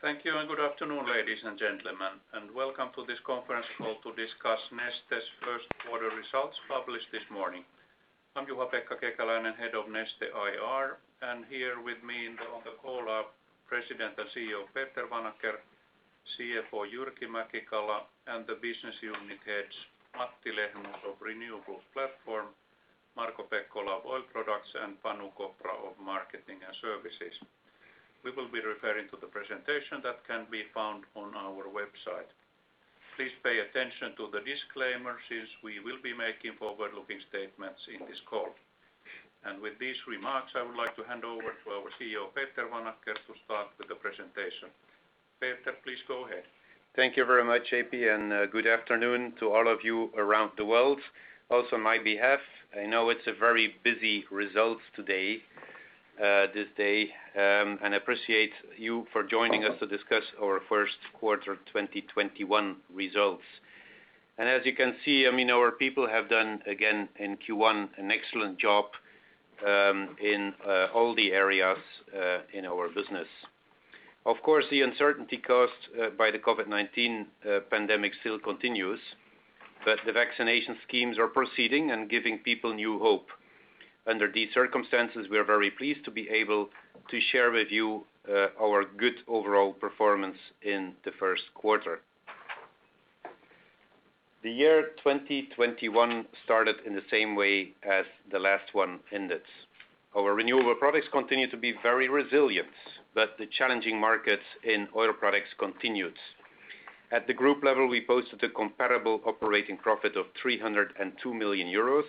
Thank you and good afternoon, ladies and gentlemen, and welcome to this conference call to discuss Neste's First Quarter Results published this morning. I'm Juha-Pekka Kekäläinen, Head of Neste IR, and here with me on the call are President and CEO, Peter Vanacker, CFO, Jyrki Mäki-Kala, and the Business Unit Heads, Matti Lehmus of Renewables Platform, Marko Pekkola of Oil Products, and Panu Kopra of Marketing & Services. We will be referring to the presentation that can be found on our website. Please pay attention to the disclaimer, since we will be making forward-looking statements in this call. With these remarks, I would like to hand over to our CEO, Peter Vanacker, to start with the presentation. Peter, please go ahead. Thank you very much, JP. Good afternoon to all of you around the world, also on my behalf. I know it's a very busy results this day, and appreciate you for joining us to discuss our first quarter 2021 results. As you can see, our people have done again in Q1, an excellent job in all the areas in our business. Of course, the uncertainty caused by the COVID-19 pandemic still continues, but the vaccination schemes are proceeding and giving people new hope. Under these circumstances, we are very pleased to be able to share with you our good overall performance in the first quarter. The year 2021 started in the same way as the last one ended. Our Renewable products continue to be very resilient, but the challenging markets in Oil Products continues. At the group level, we posted a comparable operating profit of 302 million euros.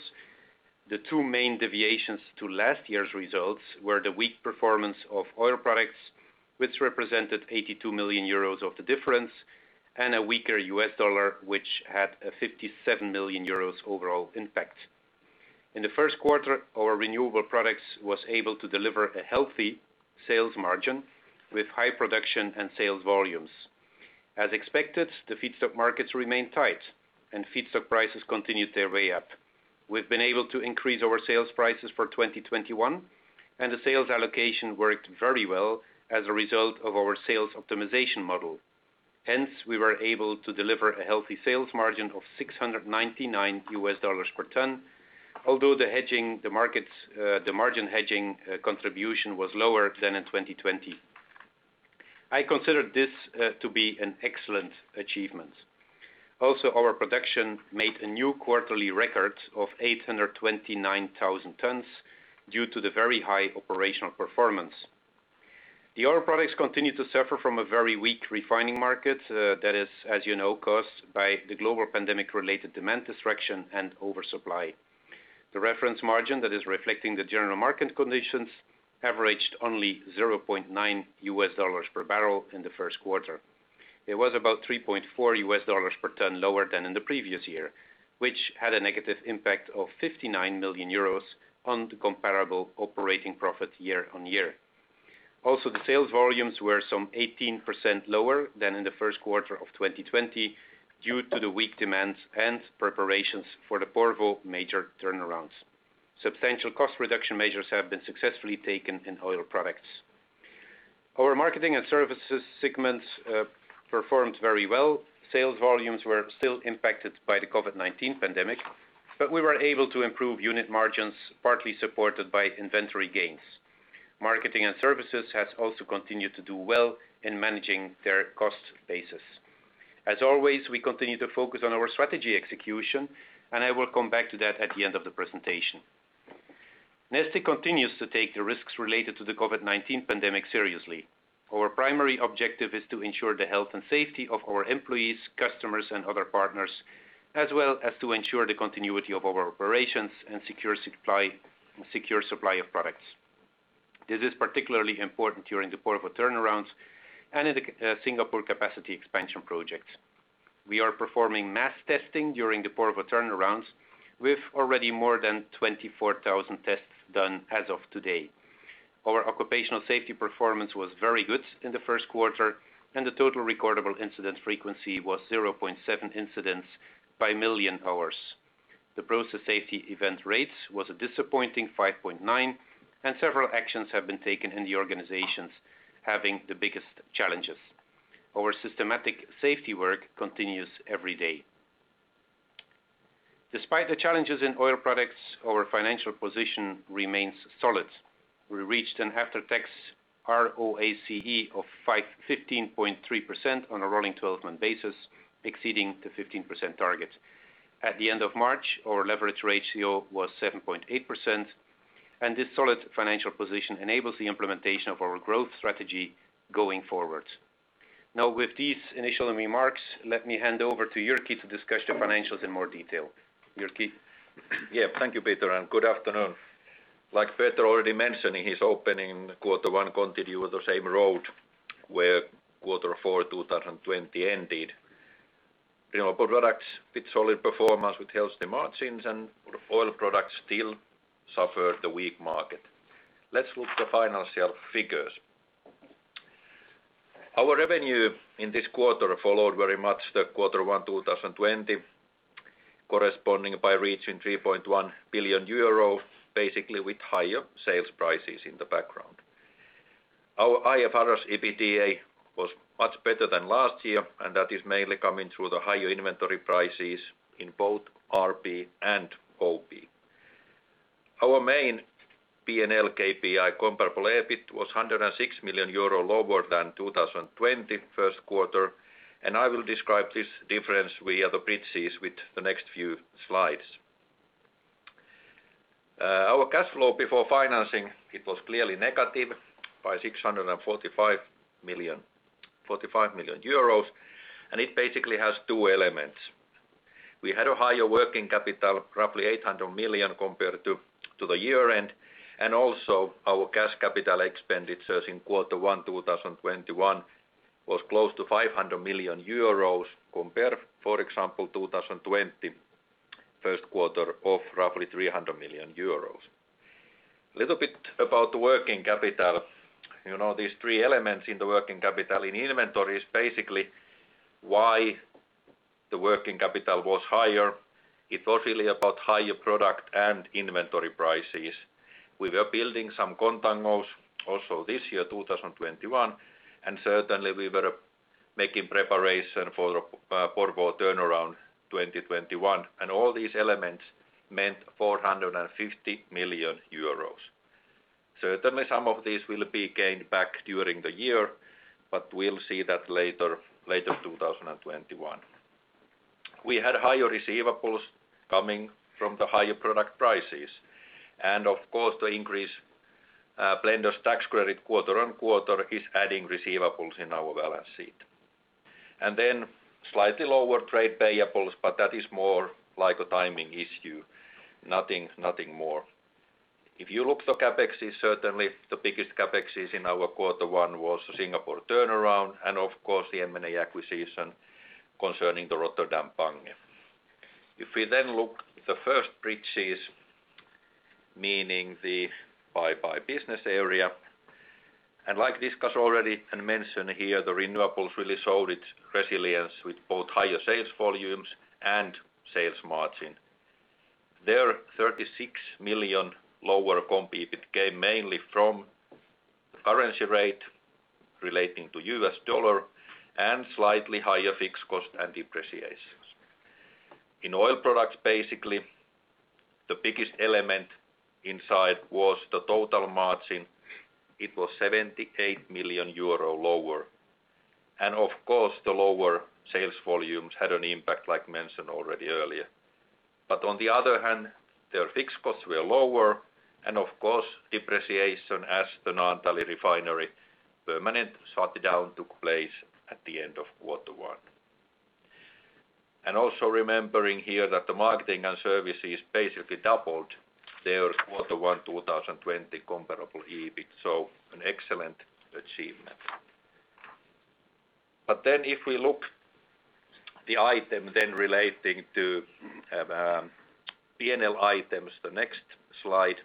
The two main deviations to last year's results were the weak performance of Oil Products, which represented 82 million euros of the difference, and a weaker U.S. dollar, which had a 57 million euros overall impact. In the first quarter, our Renewable Products was able to deliver a healthy sales margin with high production and sales volumes. As expected, the feedstock markets remained tight and feedstock prices continued their way up. We've been able to increase our sales prices for 2021, and the sales allocation worked very well as a result of our sales optimization model. We were able to deliver a healthy sales margin of $699 per ton, although the margin hedging contribution was lower than in 2020. I consider this to be an excellent achievement. Our production made a new quarterly record of 829,000 tons due to the very high operational performance. The Oil Products continue to suffer from a very weak refining market that is, as you know, caused by the global pandemic-related demand destruction and oversupply. The reference margin that is reflecting the general market conditions averaged only $0.9 per barrel in the first quarter. It was about $3.4 per ton lower than in the previous year, which had a negative impact of 59 million euros on the comparable operating profit year-on-year. Also, the sales volumes were some 18% lower than in the first quarter of 2020 due to the weak demand and preparations for the Porvoo major turnarounds. Substantial cost reduction measures have been successfully taken in Oil Products. Our Marketing & Services segments performed very well. Sales volumes were still impacted by the COVID-19 pandemic, but we were able to improve unit margins, partly supported by inventory gains. Marketing and services has also continued to do well in managing their cost basis. As always, we continue to focus on our strategy execution, I will come back to that at the end of the presentation. Neste continues to take the risks related to the COVID-19 pandemic seriously. Our primary objective is to ensure the health and safety of our employees, customers, and other partners, as well as to ensure the continuity of our operations and secure supply of products. This is particularly important during the Porvoo turnarounds and in the Singapore capacity expansion project. We are performing mass testing during the Porvoo turnarounds with already more than 24,000 tests done as of today. Our occupational safety performance was very good in the first quarter, the total recordable incident frequency was 0.7 incidents by million hours. The process safety event rates was a disappointing 5.9%. Several actions have been taken in the organizations having the biggest challenges. Our systematic safety work continues every day. Despite the challenges in Oil Products, our financial position remains solid. We reached an after-tax ROACE of 15.3% on a rolling 12-month basis, exceeding the 15% target. At the end of March, our leverage ratio was 7.8%. This solid financial position enables the implementation of our growth strategy going forward. Now with these initial remarks, let me hand over to Jyrki to discuss the financials in more detail. Jyrki? Thank you, Peter. Good afternoon. Like Peter already mentioned in his opening, quarter one continued the same road where quarter four 2020 ended. Renewable Products with solid performance with healthy margins, and Oil Products still suffered the weak market. Let's look at the financial figures. Our revenue in this quarter followed very much the quarter one 2020. Corresponding by reaching 3.1 billion euro, basically with higher sales prices in the background. Our IFRS EBITDA was much better than last year. That is mainly coming through the higher inventory prices in both RP and OP. Our main P&L KPI comparable EBIT was 106 million euro lower than 2020 first quarter. I will describe this difference via the bridges with the next few slides. Our cash flow before financing, it was clearly negative by 645 million euros. It basically has two elements. We had a higher working capital, roughly 800 million compared to the year-end. Also our cash capital expenditures in quarter one 2021 was close to 500 million euros compare, for example, 2020 first quarter of roughly 300 million euros. Little bit about the working capital. These three elements in the working capital in inventory is basically why the working capital was higher. It was really about higher product and inventory prices. We were building some contangos also this year, 2021, and certainly we were making preparation for Porvoo turnaround 2021, and all these elements meant 450 million euros. Certainly, some of this will be gained back during the year, but we'll see that later 2021. We had higher receivables coming from the higher product prices. Of course, the increase blender's tax credit quarter-on-quarter is adding receivables in our balance sheet. Slightly lower trade payables, but that is more like a timing issue, nothing more. If you look to CapEx, certainly the biggest CapExs in our quarter one was Singapore turnaround, and of course the M&A acquisition concerning the Rotterdam Bunge. If we look the first bridges, meaning the by business area, like discussed already and mentioned here, the Renewables really showed its resilience with both higher sales volumes and sales margin. Their 36 million lower comp EBIT came mainly from the currency rate relating to U.S. dollar and slightly higher fixed cost and depreciations. In Oil Products, basically, the biggest element inside was the total margin. It was 78 million euro lower. Of course, the lower sales volumes had an impact, like mentioned already earlier. On the other hand, their fixed costs were lower, and of course, depreciation as the Naantali refinery permanent shutdown took place at the end of quarter one. Also remembering here that the Marketing & Services basically doubled their quarter one 2020 comparable EBIT, so an excellent achievement. If we look the item then relating to P&L items, the next slide.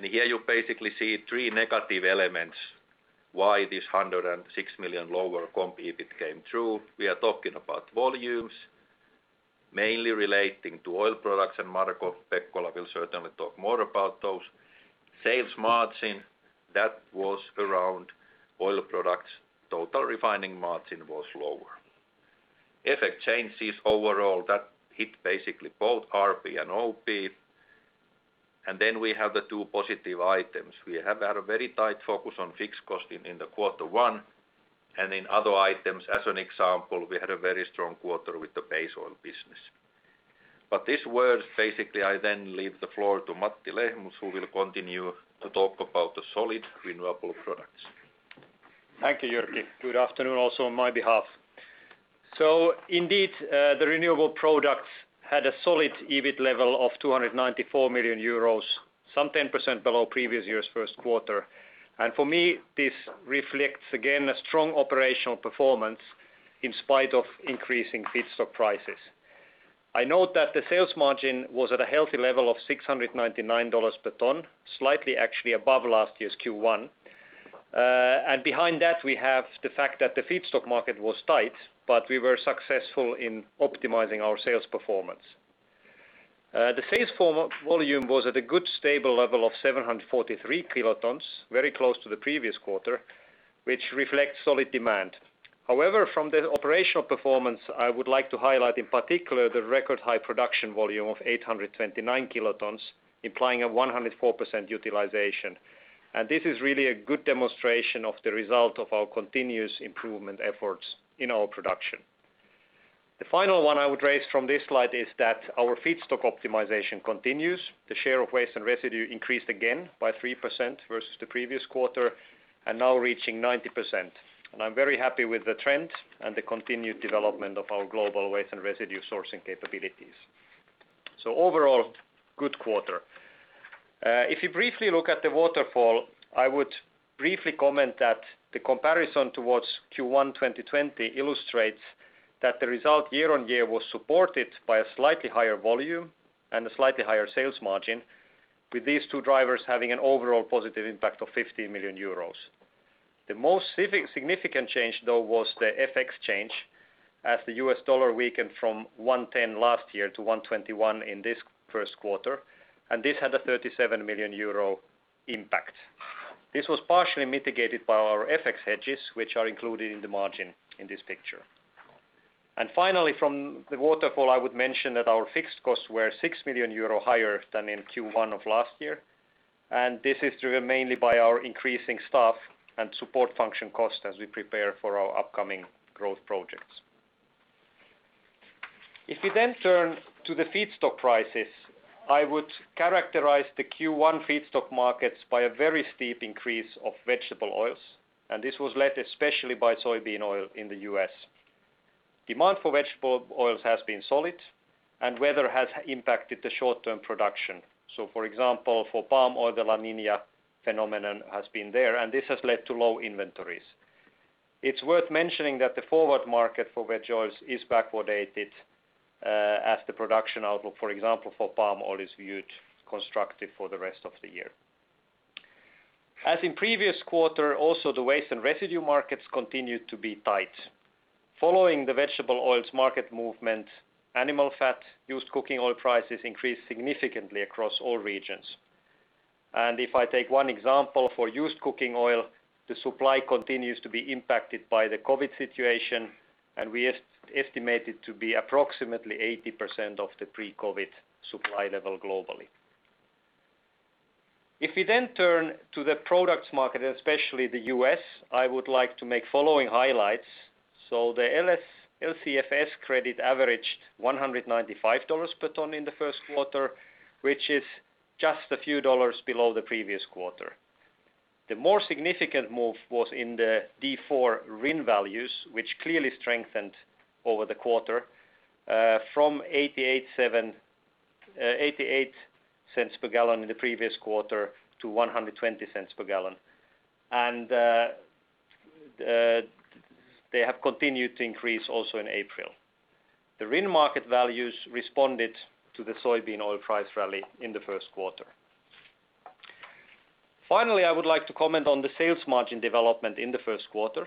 Here you basically see three negative elements why this 106 million lower comp EBIT came through. We are talking about volumes mainly relating to Oil Products, and Marko Pekkola will certainly talk more about those. Sales margin, that was around Oil Products, total refining margin was lower. FX changes overall that hit basically both RP and OP. We have the two positive items. We have had a very tight focus on fixed cost in the quarter one and in other items, as an example, we had a very strong quarter with the base oil business. This was basically I then leave the floor to Matti Lehmus, who will continue to talk about the solid Renewable Products. Thank you, Jyrki. Good afternoon also on my behalf. Indeed, the Renewable Products had a solid EBIT level of 294 million euros, some 10% below previous year's first quarter. For me, this reflects again a strong operational performance in spite of increasing feedstock prices. I note that the sales margin was at a healthy level of EUR 699 per ton, slightly actually above last year's Q1. Behind that, we have the fact that the feedstock market was tight, but we were successful in optimizing our sales performance. The sales volume was at a good, stable level of 743 kilotons, very close to the previous quarter, which reflects solid demand. However, from the operational performance, I would like to highlight in particular the record high production volume of 829 kilotons, implying a 104% utilization. This is really a good demonstration of the result of our continuous improvement efforts in our production. The final one I would raise from this slide is that our feedstock optimization continues. The share of waste and residue increased again by 3% versus the previous quarter, and now reaching 90%. I'm very happy with the trend and the continued development of our global waste and residue sourcing capabilities. Overall, good quarter. If you briefly look at the waterfall, I would briefly comment that the comparison towards Q1 2020 illustrates that the result year-on-year was supported by a slightly higher volume and a slightly higher sales margin with these two drivers having an overall positive impact of 15 million euros. The most significant change, though, was the FX change, as the U.S. dollar weakened from 110 last year to 121 in this first quarter, and this had a 37 million euro impact. This was partially mitigated by our FX hedges, which are included in the margin in this picture. Finally, from the waterfall, I would mention that our fixed costs were 6 million euro higher than in Q1 of last year, and this is driven mainly by our increasing staff and support function cost as we prepare for our upcoming growth projects. If we turn to the feedstock prices, I would characterize the Q1 feedstock markets by a very steep increase of vegetable oils. This was led especially by soybean oil in the U.S. Demand for vegetable oils has been solid. Weather has impacted the short-term production. For example, for palm oil, the La Niña phenomenon has been there. This has led to low inventories. It's worth mentioning that the forward market for veg oils is backward dated, as the production outlook, for example, for palm oil, is viewed constructive for the rest of the year. As in previous quarter, also, the waste and residue markets continued to be tight. Following the vegetable oils market movement, animal fat, used cooking oil prices increased significantly across all regions. If I take one example for used cooking oil, the supply continues to be impacted by the COVID-19 situation, and we estimate it to be approximately 80% of the pre-COVID-19 supply level globally. If we then turn to the products market, especially the U.S., I would like to make following highlights. The LCFS credit averaged $195 per ton in the first quarter, which is just a few dollars below the previous quarter. The more significant move was in the D4 RIN values, which clearly strengthened over the quarter, from $0.88 per gallon in the previous quarter to $1.20 per gallon. They have continued to increase also in April. The RIN market values responded to the soybean oil price rally in the first quarter. Finally, I would like to comment on the sales margin development in the first quarter.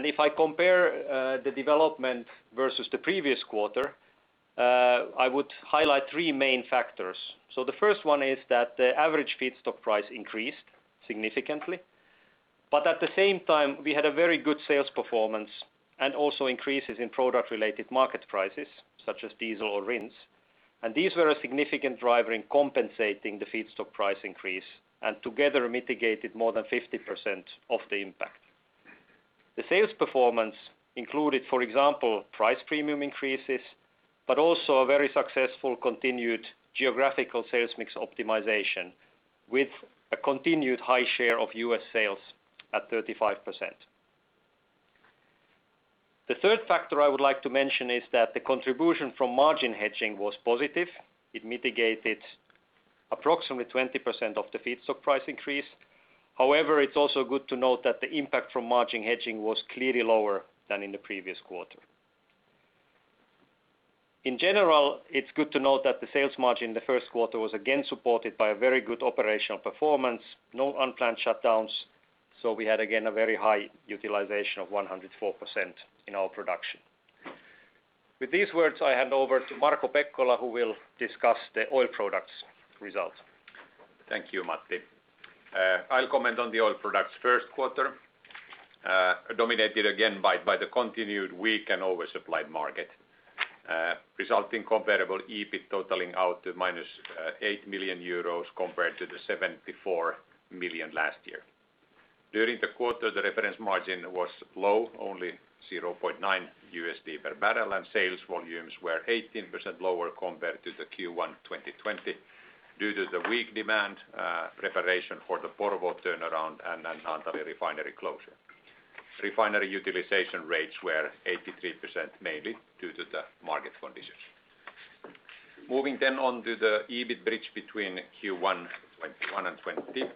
If I compare the development versus the previous quarter, I would highlight three main factors. The first one is that the average feedstock price increased significantly, but at the same time, we had a very good sales performance and also increases in product-related market prices, such as diesel or RINs. These were a significant driver in compensating the feedstock price increase and together mitigated more than 50% of the impact. The sales performance included, for example, price premium increases, but also a very successful continued geographical sales mix optimization with a continued high share of U.S. sales at 35%. The third factor I would like to mention is that the contribution from margin hedging was positive. It mitigated approximately 20% of the feedstock price increase. However, it's also good to note that the impact from margin hedging was clearly lower than in the previous quarter. In general, it is good to note that the sales margin in the first quarter was again supported by a very good operational performance, no unplanned shutdowns, so we had again a very high utilization of 104% in our production. With these words, I hand over to Marko Pekkola, who will discuss the Oil Products results. Thank you, Matti. I'll comment on the Oil Products first quarter, dominated again by the continued weak and oversupplied market, resulting comparable EBIT totaling out to -8 million euros compared to 74 million last year. During the quarter, the reference margin was low, only $0.9 per barrel, and sales volumes were 18% lower compared to the Q1 2020 due to the weak demand, preparation for the Porvoo turnarounds, and the Naantali refinery closure. Refinery utilization rates were 83%, mainly due to the market conditions. Moving then on to the EBIT bridge between Q1 2021 and 2020,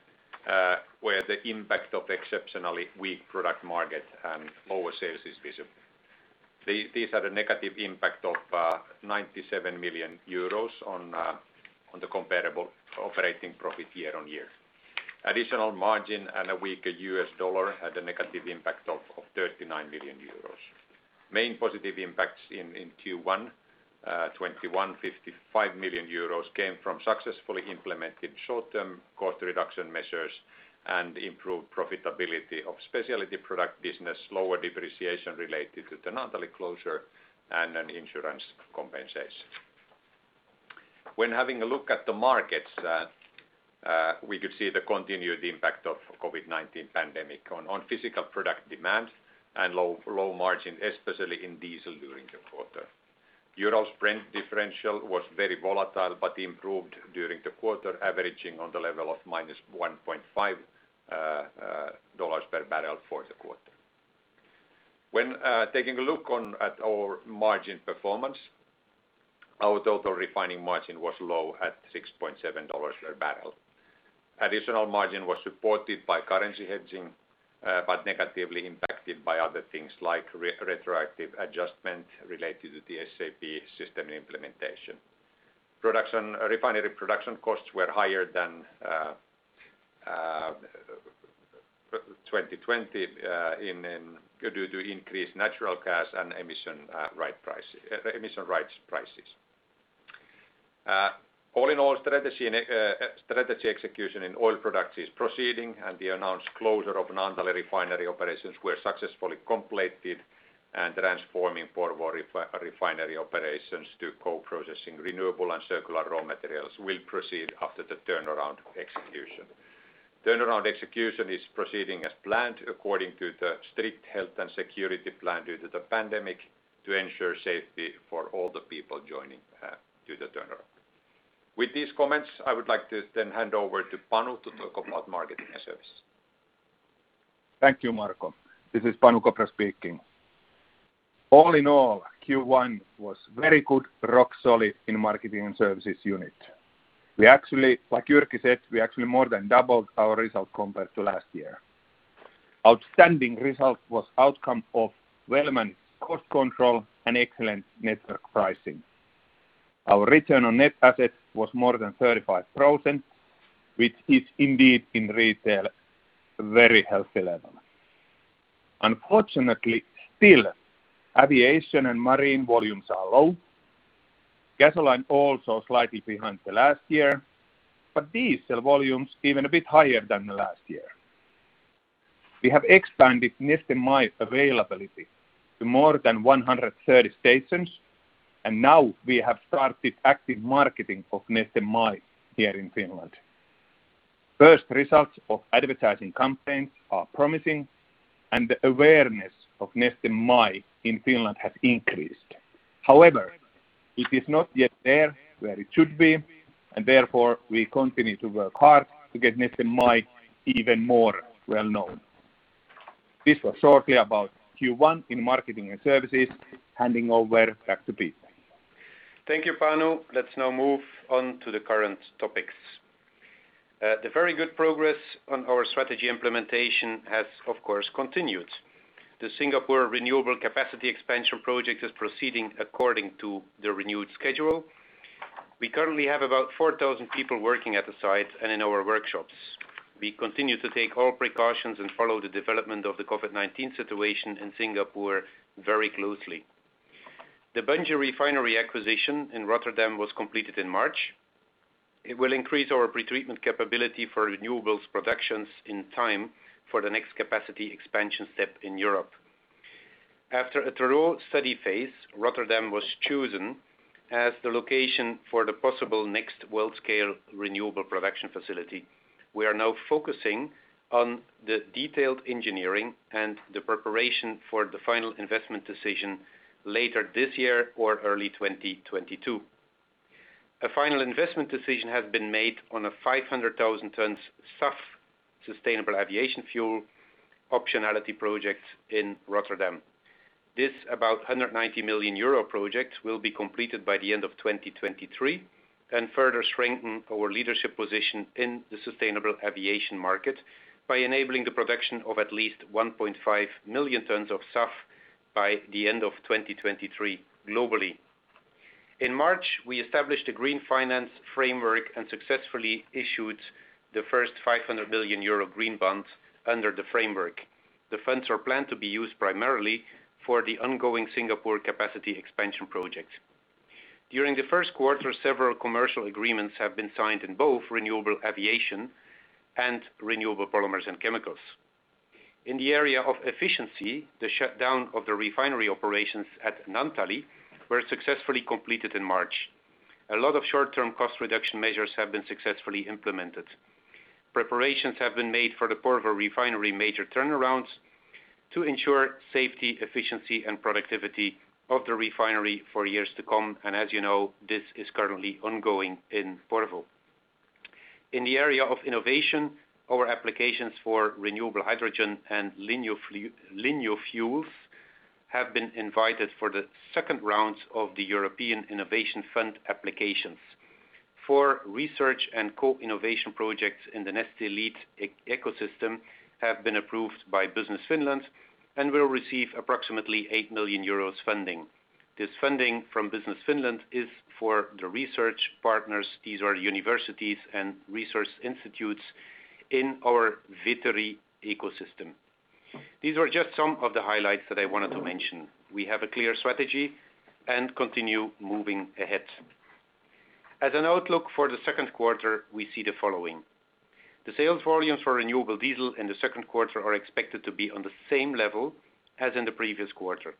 where the impact of exceptionally weak product market and lower sales is visible. These had a negative impact of 97 million euros on the comparable operating profit year-over-year. Additional margin and a weaker U.S. dollar had a negative impact of 39 million euros. Main positive impacts in Q1 2021, 55 million euros came from successfully implemented short-term cost reduction measures and improved profitability of specialty product business, lower depreciation related to the Naantali closure, and an insurance compensation. When having a look at the markets, we could see the continued impact of COVID-19 pandemic on physical product demand and low margin, especially in diesel during the quarter. Urals Brent differential was very volatile but improved during the quarter, averaging on the level of -$1.5 per barrel for the quarter. When taking a look at our margin performance, our total refining margin was low at $6.70 per barrel. Additional margin was supported by currency hedging, but negatively impacted by other things like retroactive adjustment related to the SAP system implementation. Refinery production costs were higher than 2020 due to increased natural gas and emission rights prices. All in all, strategy execution in Oil Products is proceeding, and the announced closure of Naantali refinery operations were successfully completed, and transforming Porvoo refinery operations to co-processing renewable and circular raw materials will proceed after the turnaround execution. Turnaround execution is proceeding as planned according to the strict health and security plan due to the pandemic to ensure safety for all the people joining to the turnaround. With these comments, I would like to then hand over to Panu to talk about marketing and services. Thank you, Marko. This is Panu Kopra speaking. All in all, Q1 was very good, rock solid in marketing and services unit. Like Jyrki said, we actually more than doubled our result compared to last year. Outstanding result was outcome of well-managed cost control and excellent network pricing. Our return on net assets was more than 35%, which is indeed, in retail, very healthy level. Unfortunately, still, aviation and marine volumes are low. Gasoline also slightly behind the last year, but diesel volumes even a bit higher than the last year. We have expanded Neste MY availability to more than 130 stations, and now we have started active marketing of Neste MY here in Finland. First results of advertising campaigns are promising, and the awareness of Neste MY in Finland has increased. However, it is not yet there where it should be, and therefore, we continue to work hard to get Neste MY even more well-known. This was shortly about Q1 in marketing and services. Handing over back to Peter. Thank you, Panu. Let's now move on to the current topics. The very good progress on our strategy implementation has, of course, continued. The Singapore renewable capacity expansion project is proceeding according to the renewed schedule. We currently have about 4,000 people working at the site and in our workshops. We continue to take all precautions and follow the development of the COVID-19 situation in Singapore very closely. The Bunge refinery acquisition in Rotterdam was completed in March. It will increase our pretreatment capability for Renewables productions in time for the next capacity expansion step in Europe. After a thorough study phase, Rotterdam was chosen as the location for the possible next world-scale renewable production facility. We are now focusing on the detailed engineering and the preparation for the final investment decision later this year or early 2022. A final investment decision has been made on a 500,000 tons SAF, sustainable aviation fuel, optionality project in Rotterdam. This about 190 million euro project will be completed by the end of 2023 and further strengthen our leadership position in the sustainable aviation market by enabling the production of at least 1.5 million tons of SAF by the end of 2023 globally. In March, we established a green finance framework and successfully issued the first 500 million euro green bond under the framework. The funds are planned to be used primarily for the ongoing Singapore capacity expansion project. During the first quarter, several commercial agreements have been signed in both renewable aviation and renewable polymers and chemicals. In the area of efficiency, the shutdown of the refinery operations at Naantali were successfully completed in March. A lot of short-term cost reduction measures have been successfully implemented. Preparations have been made for the Porvoo refinery major turnarounds to ensure safety, efficiency, and productivity of the refinery for years to come. As you know, this is currently ongoing in Porvoo. In the area of innovation, our applications for renewable hydrogen and e-fuels have been invited for the second rounds of the European Innovation Fund applications. Four research and co-innovation projects in the Neste-ELITE ecosystem have been approved by Business Finland will receive approximately 8 million euros funding. This funding from Business Finland is for the research partners. These are universities and research institutes in our Veturi ecosystem. These are just some of the highlights that I wanted to mention. We have a clear strategy and continue moving ahead. As an outlook for the second quarter, we see the following. The sales volumes for renewable diesel in the second quarter are expected to be on the same level as in the previous quarter.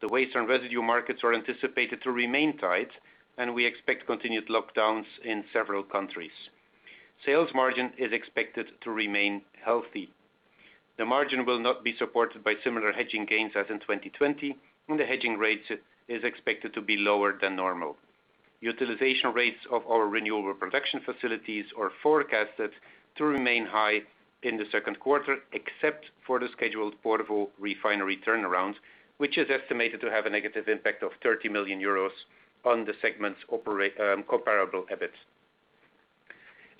The waste and residue markets are anticipated to remain tight, and we expect continued lockdowns in several countries. Sales margin is expected to remain healthy. The margin will not be supported by similar hedging gains as in 2020, and the hedging rates is expected to be lower than normal. Utilization rates of our renewable production facilities are forecasted to remain high in the second quarter, except for the scheduled Porvoo refinery turnaround, which is estimated to have a negative impact of 30 million euros on the segment's comparable EBIT.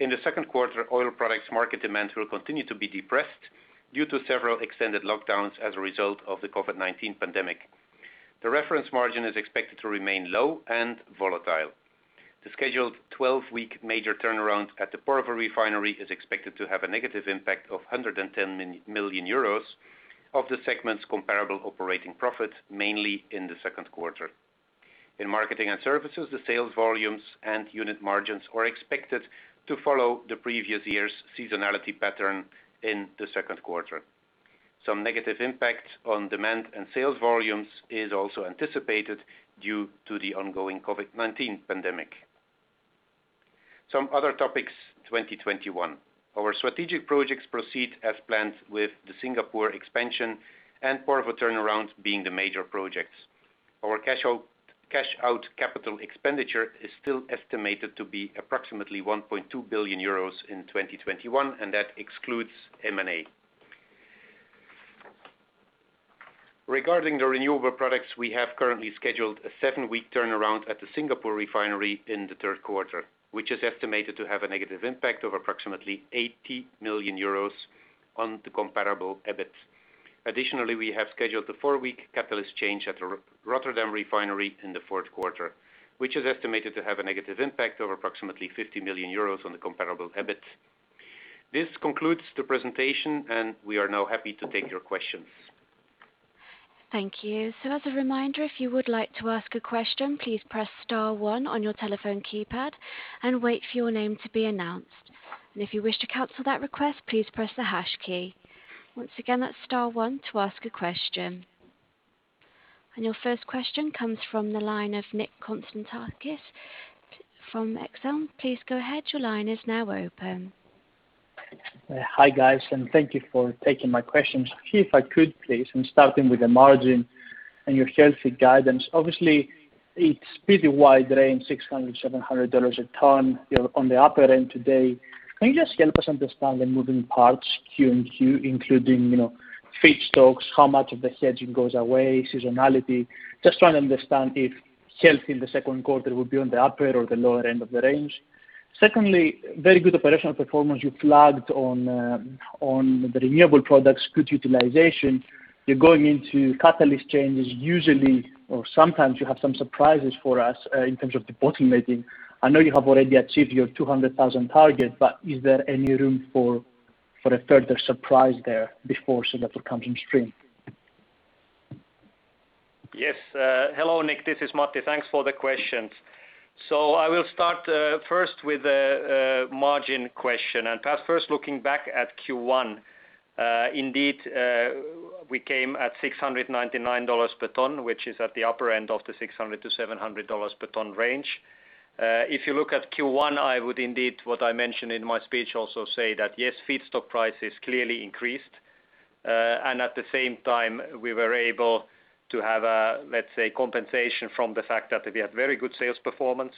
In the second quarter, oil products market demand will continue to be depressed due to several extended lockdowns as a result of the COVID-19 pandemic. The reference margin is expected to remain low and volatile. The scheduled 12-week major turnaround at the Porvoo refinery is expected to have a negative impact of 110 million euros of the segment's comparable operating profit, mainly in the second quarter. In marketing and services, the sales volumes and unit margins are expected to follow the previous year's seasonality pattern in the second quarter. Some negative impact on demand and sales volumes is also anticipated due to the ongoing COVID-19 pandemic. Some other topics, 2021. Our strategic projects proceed as planned with the Singapore expansion and Porvoo turnaround being the major projects. Our cash out capital expenditure is still estimated to be approximately 1.2 billion euros in 2021. That excludes M&A. Regarding the Renewable Products, we have currently scheduled a seven-week turnaround at the Singapore refinery in the third quarter, which is estimated to have a negative impact of approximately 80 million euros on the comparable EBIT. Additionally, we have scheduled a four-week catalyst change at the Rotterdam refinery in the fourth quarter, which is estimated to have a negative impact of approximately 50 million euros on the comparable EBIT. This concludes the presentation, and we are now happy to take your questions. Thank you. As a reminder, if you would like to ask a question, please press star one on your telephone keypad and wait for your name to be announced. If you wish to cancel that request, please press the hash key. Once again, that's star one to ask a question. Your first question comes from the line of Nick Konstantakis from Exane. Please go ahead. Your line is now open. Hi, guys, thank you for taking my questions. If I could please, starting with the margin and your healthy guidance. Obviously it's pretty wide range, 600, EUR 700 a ton. You're on the upper end today. Can you just help us understand the moving parts Q-on-Q, including feedstock, how much of the hedging goes away, seasonality? Just trying to understand if healthy in the second quarter will be on the upper or the lower end of the range. Secondly, very good operational performance you flagged on the Renewable Products, good utilization. You're going into catalyst changes usually, or sometimes you have some surprises for us, in terms of bottlenecking. I know you have already achieved your 200,000 target, is there any room for a further surprise there before so that will come on stream? Yes. Hello, Nick. This is Matti. Thanks for the questions. I will start first with the margin question, and perhaps first looking back at Q1. Indeed, we came at EUR 699 per ton, which is at the upper end of the EUR 600-EUR 700 per ton range. If you look at Q1, I would indeed, what I mentioned in my speech, also say that yes, feedstock prices clearly increased. At the same time, we were able to have a, let's say, compensation from the fact that we had very good sales performance.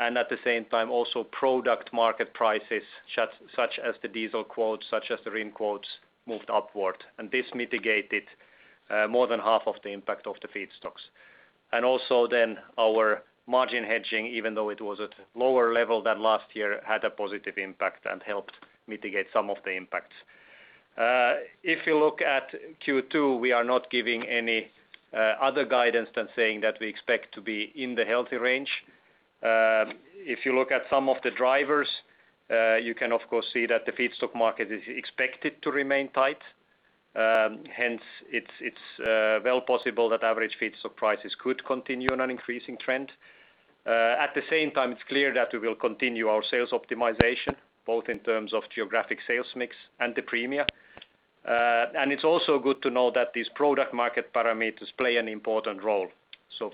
At the same time, also product market prices, such as the diesel quotes, such as the RIN quotes, moved upward. This mitigated more than half of the impact of the feedstocks. Our margin hedging, even though it was at lower level than last year, had a positive impact and helped mitigate some of the impacts. If you look at Q2, we are not giving any other guidance than saying that we expect to be in the healthy range. If you look at some of the drivers, you can of course see that the feedstock market is expected to remain tight. It's well possible that average feedstock prices could continue on an increasing trend. At the same time, it's clear that we will continue our sales optimization, both in terms of geographic sales mix and the premia. It's also good to know that these product market parameters play an important role.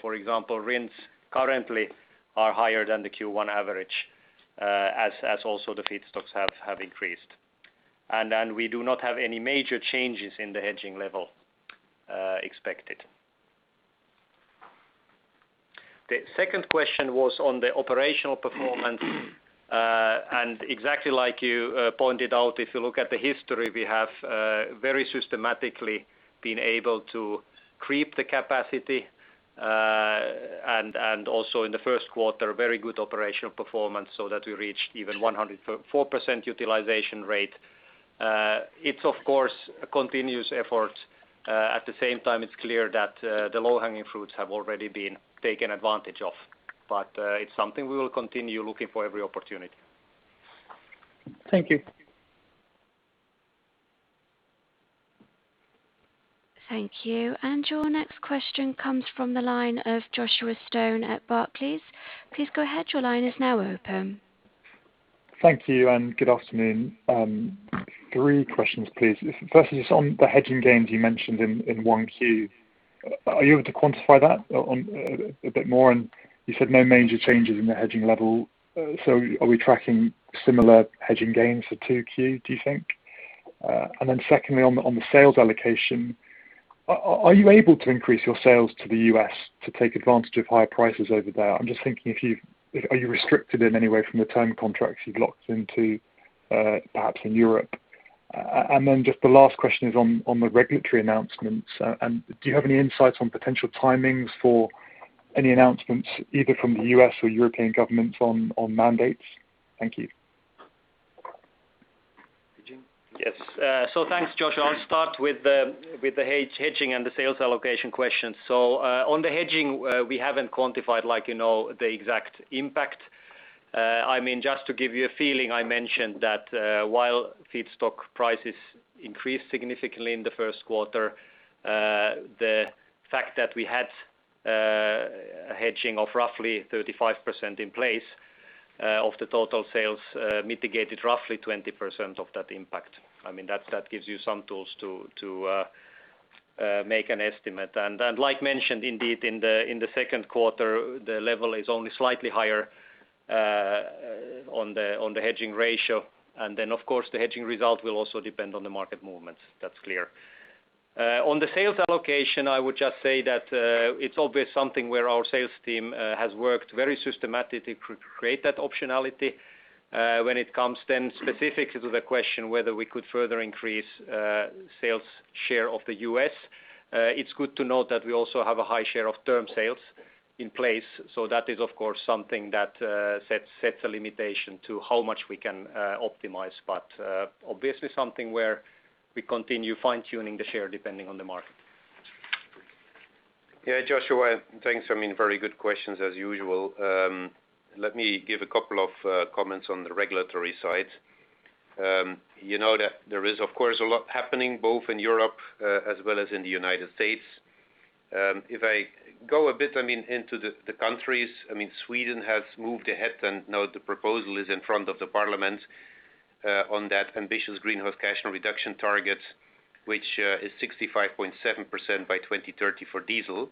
For example, RINs currently are higher than the Q1 average, as also the feedstocks have increased. We do not have any major changes in the hedging level expected. The second question was on the operational performance. Exactly like you pointed out, if you look at the history, we have very systematically been able to creep the capacity, and also in the first quarter, very good operational performance so that we reached even 104% utilization rate. It's of course a continuous effort. At the same time, it's clear that the low-hanging fruits have already been taken advantage of, but it's something we will continue looking for every opportunity. Thank you. Thank you. Your next question comes from the line of Joshua Stone at Barclays. Please go ahead. Your line is now open. Thank you, good afternoon. Three questions, please. First is on the hedging gains you mentioned in Q1. Are you able to quantify that a bit more? You said no major changes in the hedging level. Are we tracking similar hedging gains for Q2, do you think? Secondly, on the sales allocation, are you able to increase your sales to the U.S. to take advantage of higher prices over there? I'm just thinking, are you restricted in any way from the term contracts you've locked into, perhaps in Europe? Just the last question is on the regulatory announcements. Do you have any insights on potential timings for any announcements either from the U.S. or European governments on mandates? Thank you. Yes. Thanks, Joshua. I'll start with the hedging and the sales allocation question. On the hedging, we haven't quantified the exact impact. Just to give you a feeling, I mentioned that while feedstock prices increased significantly in the first quarter, the fact that we had a hedging of roughly 35% in place of the total sales mitigated roughly 20% of that impact. That gives you some tools to make an estimate. Like mentioned, indeed, in the second quarter, the level is only slightly higher on the hedging ratio, and then, of course, the hedging result will also depend on the market movements. That's clear. On the sales allocation, I would just say that it's always something where our sales team has worked very systematically to create that optionality. When it comes specifically to the question whether we could further increase sales share of the U.S., it's good to note that we also have a high share of term sales in place. That is, of course, something that sets a limitation to how much we can optimize. Obviously, something where we continue fine-tuning the share depending on the market. Joshua, thanks. Very good questions as usual. Let me give a couple of comments on the regulatory side. You know that there is, of course, a lot happening both in Europe as well as in the U.S. If I go a bit into the countries, Sweden has moved ahead, and now the proposal is in front of the parliament on that ambitious greenhouse gas reduction target, which is 65.7% by 2030 for diesel,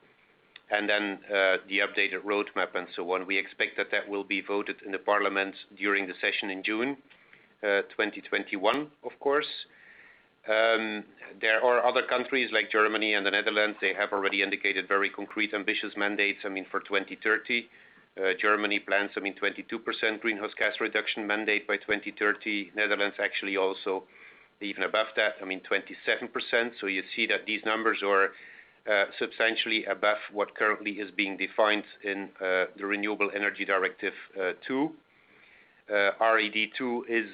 and then the updated roadmap and so on. We expect that that will be voted in the parliament during the session in June 2021, of course. There are other countries like Germany and the Netherlands, they have already indicated very concrete, ambitious mandates for 2030. Germany plans 22% greenhouse gas reduction mandate by 2030. Netherlands actually also even above that, 27%. You see that these numbers are substantially above what currently is being defined in the Renewable Energy Directive II. RED II is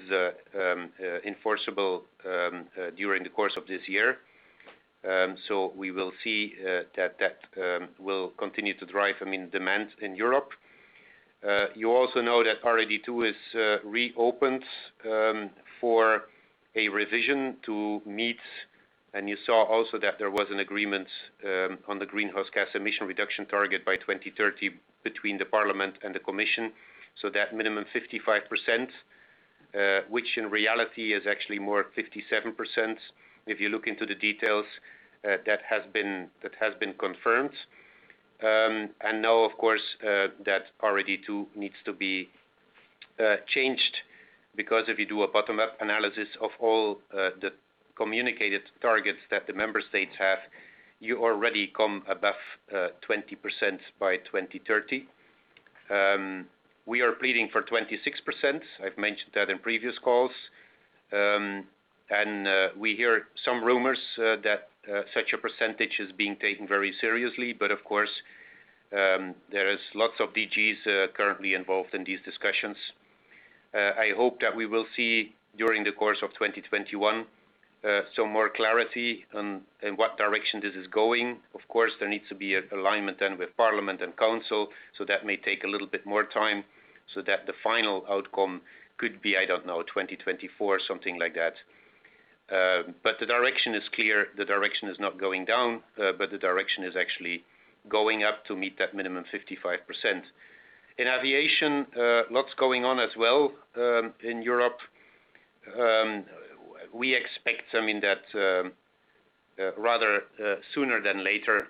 enforceable during the course of this year. We will see that that will continue to drive demand in Europe. You also know that RED II is reopened for a revision to meet, and you saw also that there was an agreement on the greenhouse gas emission reduction target by 2030 between the Parliament and the Commission. That minimum 55%, which in reality is actually more 57%, if you look into the details, that has been confirmed. Now, of course, that RED II needs to be changed because if you do a bottom-up analysis of all the communicated targets that the member states have, you already come above 20% by 2030. We are pleading for 26%. I've mentioned that in previous calls. We hear some rumors that such a percentage is being taken very seriously, but of course, there is lots of DGs currently involved in these discussions. I hope that we will see during the course of 2021, some more clarity on in what direction this is going. Of course, there needs to be an alignment then with Parliament and Council, so that may take a little bit more time, so that the final outcome could be, I don't know, 2024, something like that. The direction is clear. The direction is not going down, but the direction is actually going up to meet that minimum 55%. In aviation, lots going on as well, in Europe. We expect that rather sooner than later,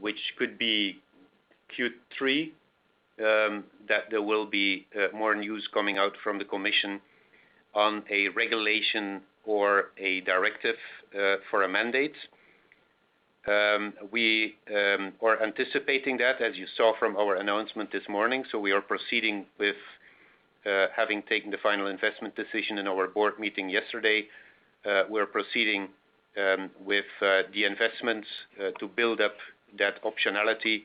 which could be Q3, that there will be more news coming out from the Commission on a regulation or a directive for a mandate. We are anticipating that, as you saw from our announcement this morning, we are proceeding with having taken the final investment decision in our board meeting yesterday. We are proceeding with the investments to build up that optionality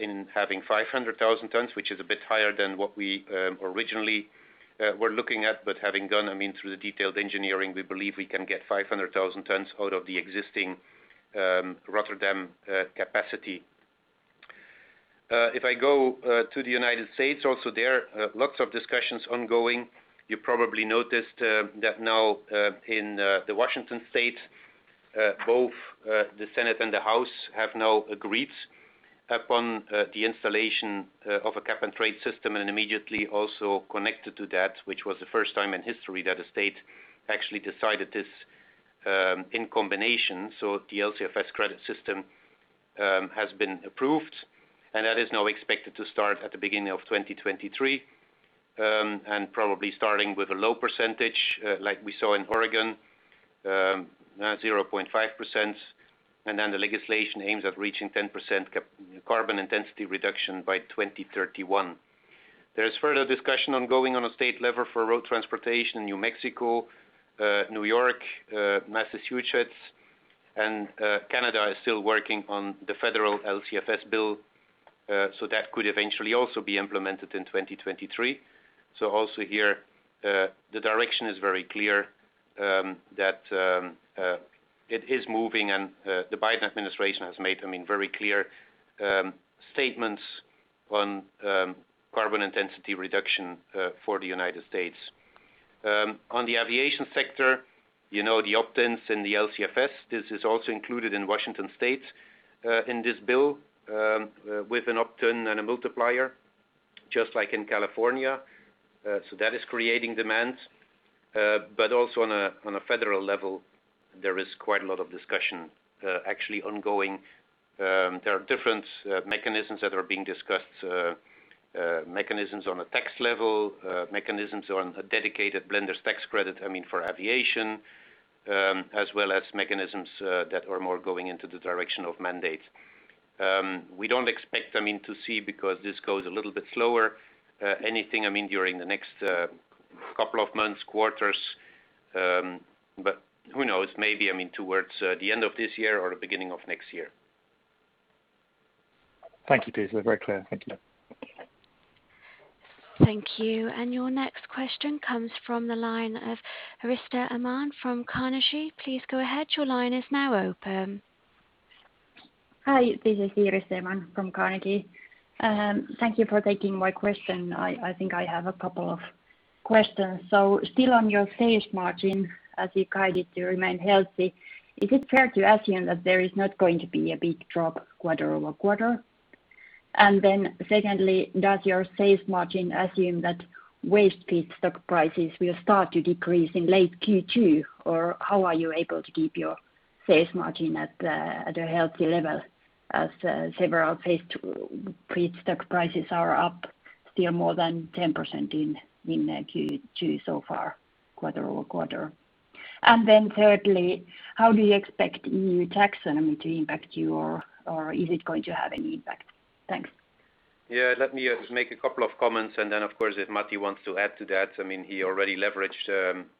in having 500,000 tons, which is a bit higher than what we originally were looking at. Having gone through the detailed engineering, we believe we can get 500,000 tons out of the existing Rotterdam capacity. If I go to the U.S. also, there are lots of discussions ongoing. You probably noticed that now in the Washington state, both the Senate and the House have now agreed upon the installation of a cap-and-trade system and immediately also connected to that, which was the first time in history that a state actually decided this, in combination. The LCFS credit system has been approved, that is now expected to start at the beginning of 2023, probably starting with a low percentage, like we saw in Oregon 0.5%, the legislation aims at reaching 10% carbon intensity reduction by 2031. There is further discussion ongoing on a state level for road transportation in New Mexico, New York, Massachusetts, Canada is still working on the federal LCFS bill, that could eventually also be implemented in 2023. Also here, the direction is very clear that it is moving, the Biden administration has made very clear statements on carbon intensity reduction for the U.S. On the aviation sector, the opt-ins and the LCFS, this is also included in Washington state in this bill with an opt-in and a multiplier, just like in California. That is creating demand. Also on a federal level, there is quite a lot of discussion actually ongoing. There are different mechanisms that are being discussed, mechanisms on a tax level, mechanisms on a dedicated blender's tax credit for aviation, as well as mechanisms that are more going into the direction of mandates. We don't expect to see, because this goes a little bit slower, anything during the next couple of months, quarters, but who knows? Maybe towards the end of this year or the beginning of next year. Thank you, Peter. Very clear. Thank you. Thank you. Your next question comes from the line of Iiris Theman from Carnegie. Please go ahead. Your line is now open. Hi, this is Iiris Theman from Carnegie. Thank you for taking my question. I think I have a couple of questions. Still on your sales margin, as you guided to remain healthy, is it fair to assume that there is not going to be a big drop quarter-over-quarter? Secondly, does your sales margin assume that waste feedstock prices will start to decrease in late Q2? How are you able to keep your sales margin at a healthy level as several feedstock prices are up still more than 10% in Q2 so far, quarter-over-quarter? Thirdly, how do you expect EU taxonomy to impact you or is it going to have any impact? Thanks. Yeah. Let me just make a couple of comments, and then of course, if Matti wants to add to that, he already leveraged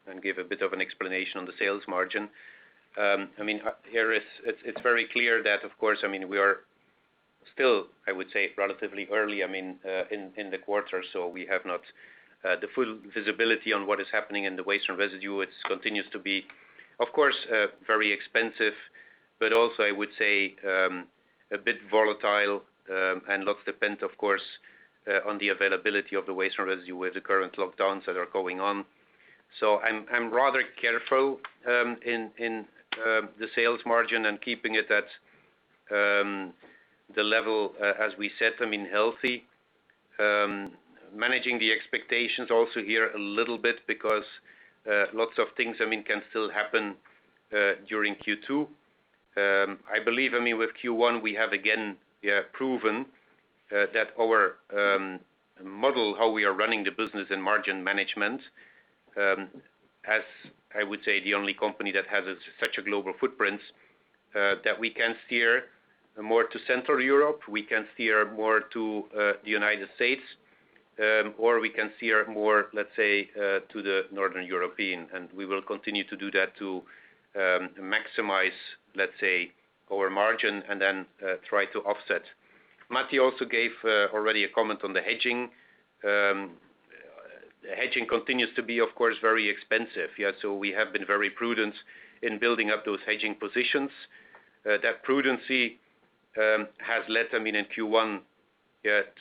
and gave a bit of an explanation on the sales margin. Iiris, it's very clear that, of course, we are still, I would say, relatively early in the quarter, so we have not the full visibility on what is happening in the waste and residue, which continues to be, of course, very expensive, but also, I would say, a bit volatile, and lots depend, of course, on the availability of the waste and residue with the current lockdowns that are going on. I'm rather careful in the sales margin and keeping it at the level, as we said, healthy. Managing the expectations also here a little bit because lots of things can still happen during Q2. I believe with Q1, we have again proven that our model, how we are running the business and margin management, as I would say, the only company that has such a global footprint, that we can steer more to Central Europe, we can steer more to the U.S., or we can steer more, let's say, to the Northern European. We will continue to do that to maximize, let's say, our margin and then try to offset. Matti also gave already a comment on the hedging. Hedging continues to be, of course, very expensive. We have been very prudent in building up those hedging positions. That prudency has led in Q1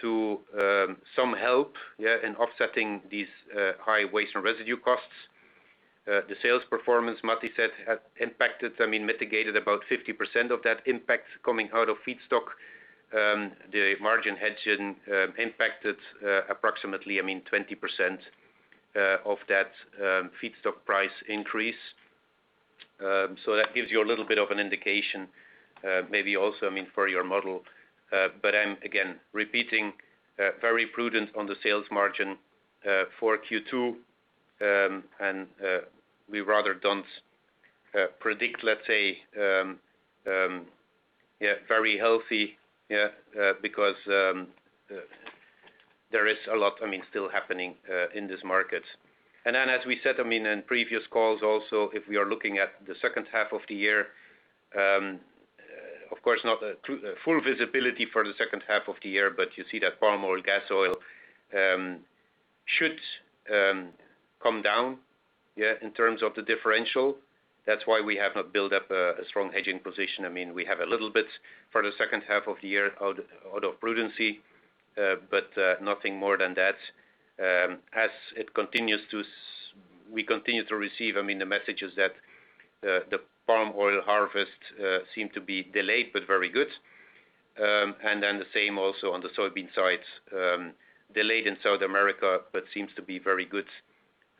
to some help in offsetting these high waste and residue costs. The sales performance, Matti said, has mitigated about 50% of that impact coming out of feedstock. The margin hedging impacted approximately 20% of that feedstock price increase. That gives you a little bit of an indication, maybe also for your model. I'm, again, repeating, very prudent on the sales margin for Q2, and we rather don't predict, let's say, very healthy because there is a lot still happening in this market. As we said in previous calls also, if we are looking at the second half of the year, of course, not full visibility for the second half of the year, but you see that palm oil, gas oil should come down in terms of the differential. That's why we have not built up a strong hedging position. We have a little bit for the second half of the year out of prudency, but nothing more than that. We continue to receive the messages that the palm oil harvest seem to be delayed but very good. The same also on the soybean side, delayed in South America, but seems to be very good.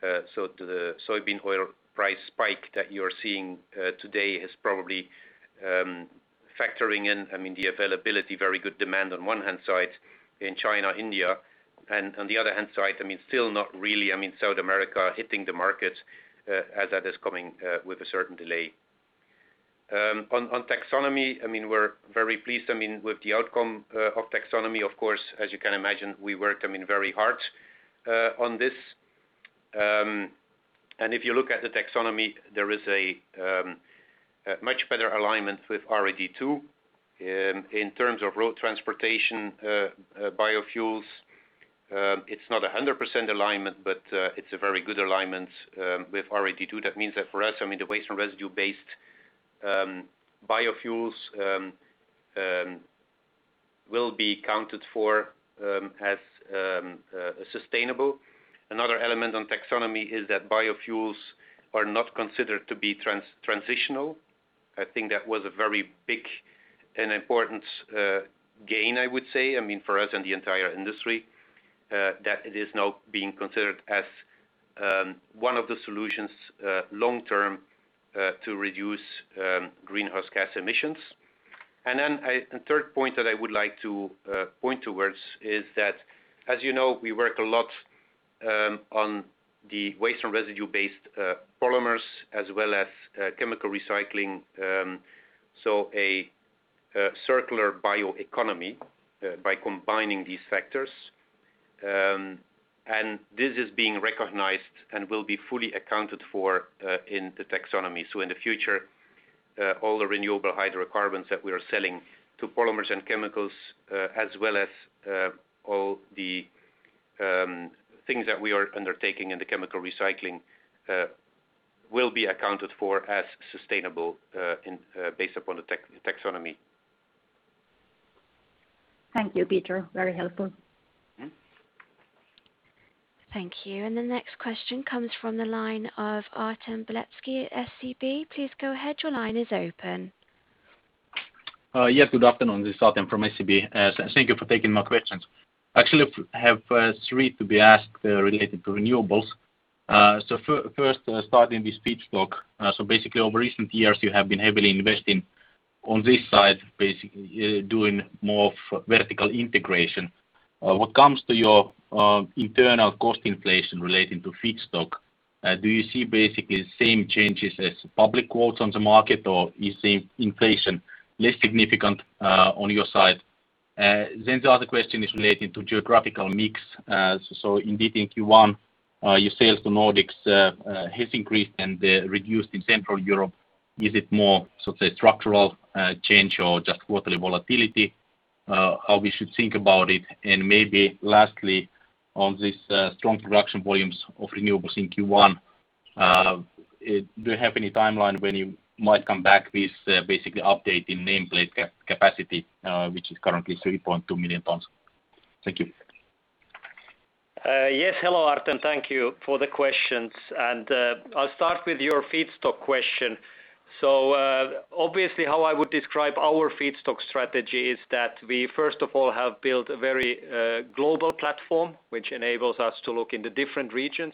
The soybean oil price spike that you're seeing today has probably factoring in the availability, very good demand on one hand side in China, India, and on the other hand side, still not really South America hitting the market as that is coming with a certain delay. On Taxonomy, we're very pleased with the outcome of Taxonomy, of course, as you can imagine, we work very hard on this. If you look at the Taxonomy, there is a much better alignment with RED II in terms of road transportation, biofuels. It's not 100% alignment, it's a very good alignment with RED II. That means that for us, the waste and residue-based biofuels will be counted for as sustainable. Another element on taxonomy is that biofuels are not considered to be transitional. I think that was a very big and important gain, I would say, for us and the entire industry, that it is now being considered as one of the solutions long term to reduce greenhouse gas emissions. A third point that I would like to point towards is that, as you know, we work a lot on the waste and residue-based polymers as well as chemical recycling, so a circular bioeconomy by combining these sectors. This is being recognized and will be fully accounted for in the taxonomy. In the future, all the renewable hydrocarbons that we are selling to polymers and chemicals, as well as all the things that we are undertaking in the chemical recycling, will be accounted for as sustainable based upon the Taxonomy. Thank you, Peter. Very helpful. Thank you. The next question comes from the line of Artem Beletski at SEB. Please go ahead. Your line is open. Yes, good afternoon. This is Artem from SEB. Thank you for taking my questions. Actually, I have three to ask related to Renewables. First, starting with feedstock. Basically, over recent years, you have been heavily investing on this side, basically doing more of vertical integration. What comes to your internal cost inflation relating to feedstock? Do you see basically the same changes as public quotes on the market, or is the inflation less significant on your side? The other question is relating to geographical mix. Indeed, in Q1, your sales to Nordics has increased and reduced in Central Europe. Is it more structural change or just quarterly volatility? How we should think about it? Maybe lastly, on this strong production volumes of Renewables in Q1, do you have any timeline when you might come back with basically update in nameplate capacity, which is currently 3.2 million tons? Thank you. Yes. Hello, Artem. Thank you for the questions. I'll start with your feedstock question. Obviously, how I would describe our feedstock strategy is that we first of all have built a very global platform, which enables us to look in the different regions.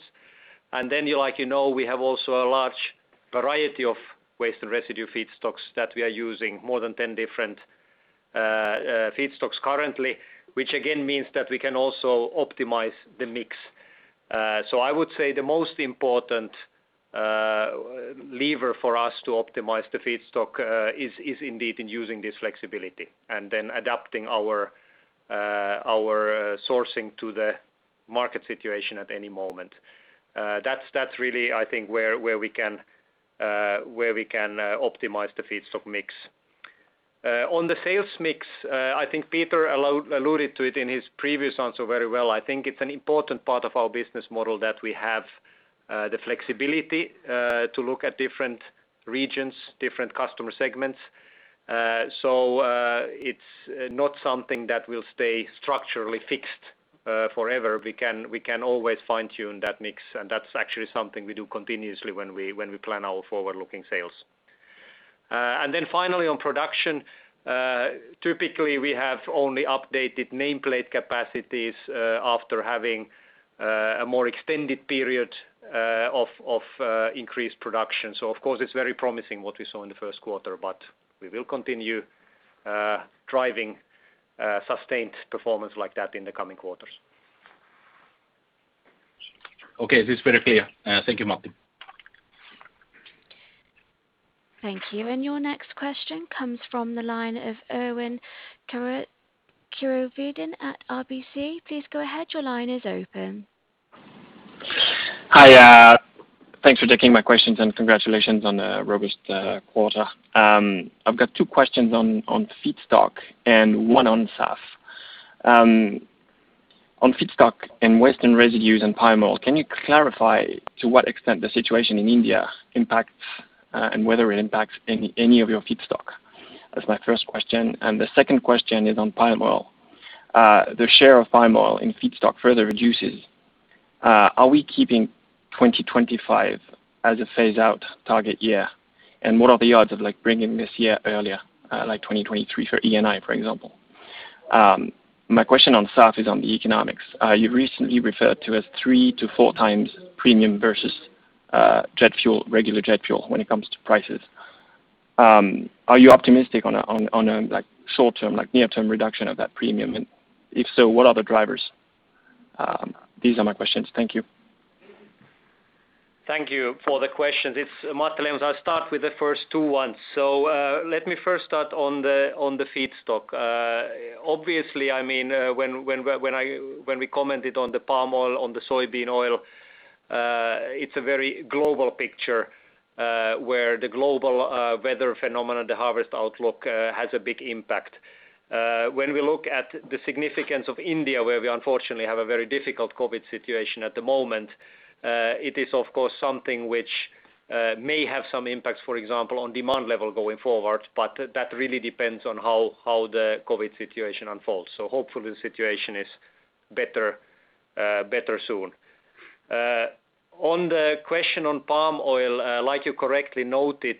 Then, you know, we have also a large variety of waste and residue feedstocks that we are using, more than 10 different feedstocks currently, which again, means that we can also optimize the mix. I would say the most important lever for us to optimize the feedstock is indeed in using this flexibility and then adapting our sourcing to the market situation at any moment. That's really, I think, where we can optimize the feedstock mix. On the sales mix, I think Peter alluded to it in his previous answer very well. I think it's an important part of our business model that we have the flexibility to look at different regions, different customer segments. It's not something that will stay structurally fixed forever. We can always fine-tune that mix, and that's actually something we do continuously when we plan our forward-looking sales. Finally on production, typically we have only updated nameplate capacities after having a more extended period of increased production. Of course, it's very promising what we saw in the first quarter, but we will continue driving sustained performance like that in the coming quarters. Okay. This is very clear. Thank you, Matti. Thank you. Your next question comes from the line of Erwan Kerouredan at RBC. Please go ahead. Your line is open. Hi. Thanks for taking my questions, and congratulations on a robust quarter. I've got two questions on feedstock and one on SAF. On feedstock and waste and residues and palm oil, can you clarify to what extent the situation in India impacts and whether it impacts any of your feedstock? That's my first question. The second question is on palm oil. The share of palm oil in feedstock further reduces. Are we keeping 2025 as a phase-out target year? What are the odds of bringing this year earlier, like 2023 for Eni, for example? My question on SAF is on the economics. You recently referred to a 3x-4x premium versus regular jet fuel when it comes to prices. Are you optimistic on a short-term, near-term reduction of that premium? If so, what are the drivers? These are my questions. Thank you. Thank you for the question. It's Matti Lehmus. I'll start with the first two ones. Let me first start on the feedstock. Obviously, when we commented on the palm oil, on the soybean oil, it's a very global picture, where the global weather phenomenon, the harvest outlook, has a big impact. When we look at the significance of India, where we unfortunately have a very difficult COVID situation at the moment, it is, of course, something which may have some impact, for example, on demand level going forward, but that really depends on how the COVID situation unfolds. Hopefully, the situation is better soon. On the question on palm oil, like you correctly noted,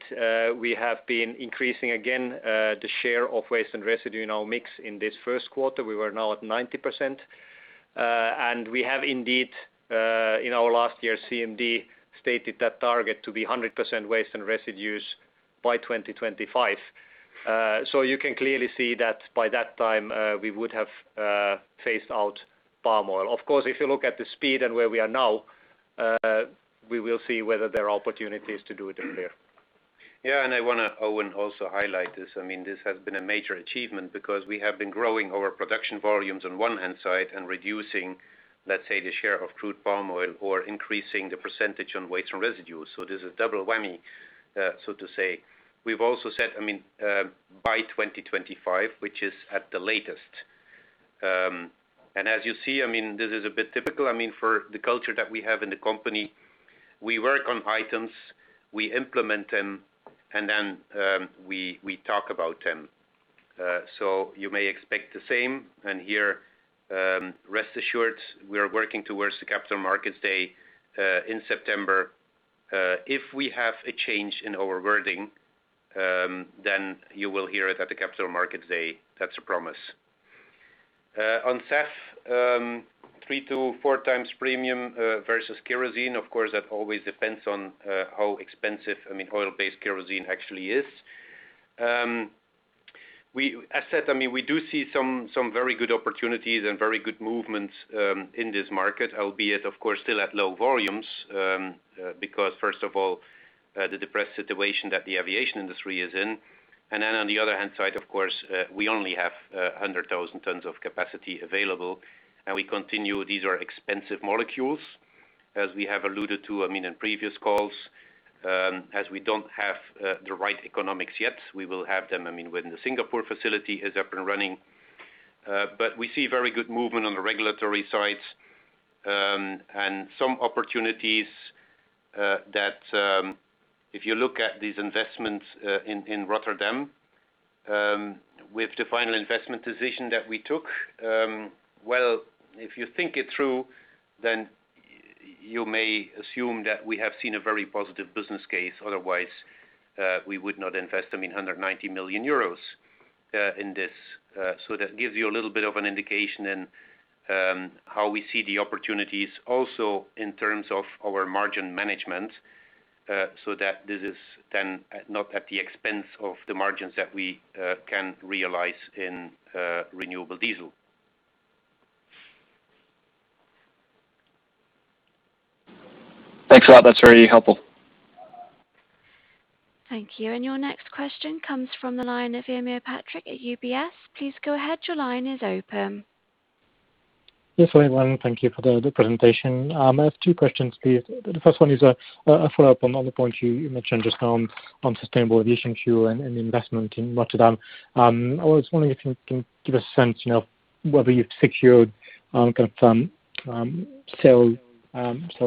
we have been increasing again, the share of waste and residue in our mix in this first quarter. We are now at 90%. We have indeed, in our last year's CMD, stated that target to be 100% waste and residues by 2025. You can clearly see that by that time, we would have phased out palm oil. Of course, if you look at the speed and where we are now, we will see whether there are opportunities to do it earlier. I want to, Erwan, also highlight this. This has been a major achievement because we have been growing our production volumes on one hand side and reducing, let's say, the share of crude palm oil or increasing the percentage on waste and residues. This is a double whammy, so to say. We've also said, by 2025, which is at the latest. As you see, this is a bit typical. For the culture that we have in the company, we work on items, we implement them, and then we talk about them. You may expect the same, and here rest assured, we are working towards the Capital Markets Day in September. If we have a change in our wording, then you will hear it at the Capital Markets Day. That's a promise. On SAF, 3x-4x premium versus kerosene, of course, that always depends on how expensive oil-based kerosene actually is. As said, we do see some very good opportunities and very good movements in this market, albeit, of course, still at low volumes. First of all, the depressed situation that the aviation industry is in, and then on the other hand side, of course, we only have 100,000 tons of capacity available, and we continue. These are expensive molecules, as we have alluded to in previous calls. We don't have the right economics yet. We will have them when the Singapore facility is up and running. We see very good movement on the regulatory sides, and some opportunities that if you look at these investments in Rotterdam, with the final investment decision that we took, well, if you think it through, then you may assume that we have seen a very positive business case. Otherwise, we would not invest 190 million euros in this. That gives you a little bit of an indication in how we see the opportunities also in terms of our margin management, so that this is then not at the expense of the margins that we can realize in renewable diesel. Thanks a lot. That's very helpful. Thank you. Your next question comes from the line of Henri Patricot at UBS. Please go ahead. Your line is open. Yes. Hi, everyone. Thank you for the presentation. I have two questions, please. The first one is a follow-up on the point you mentioned just now on sustainable aviation fuel and the investment in Rotterdam. I was wondering if you can give a sense now whether you've secured some kind of sales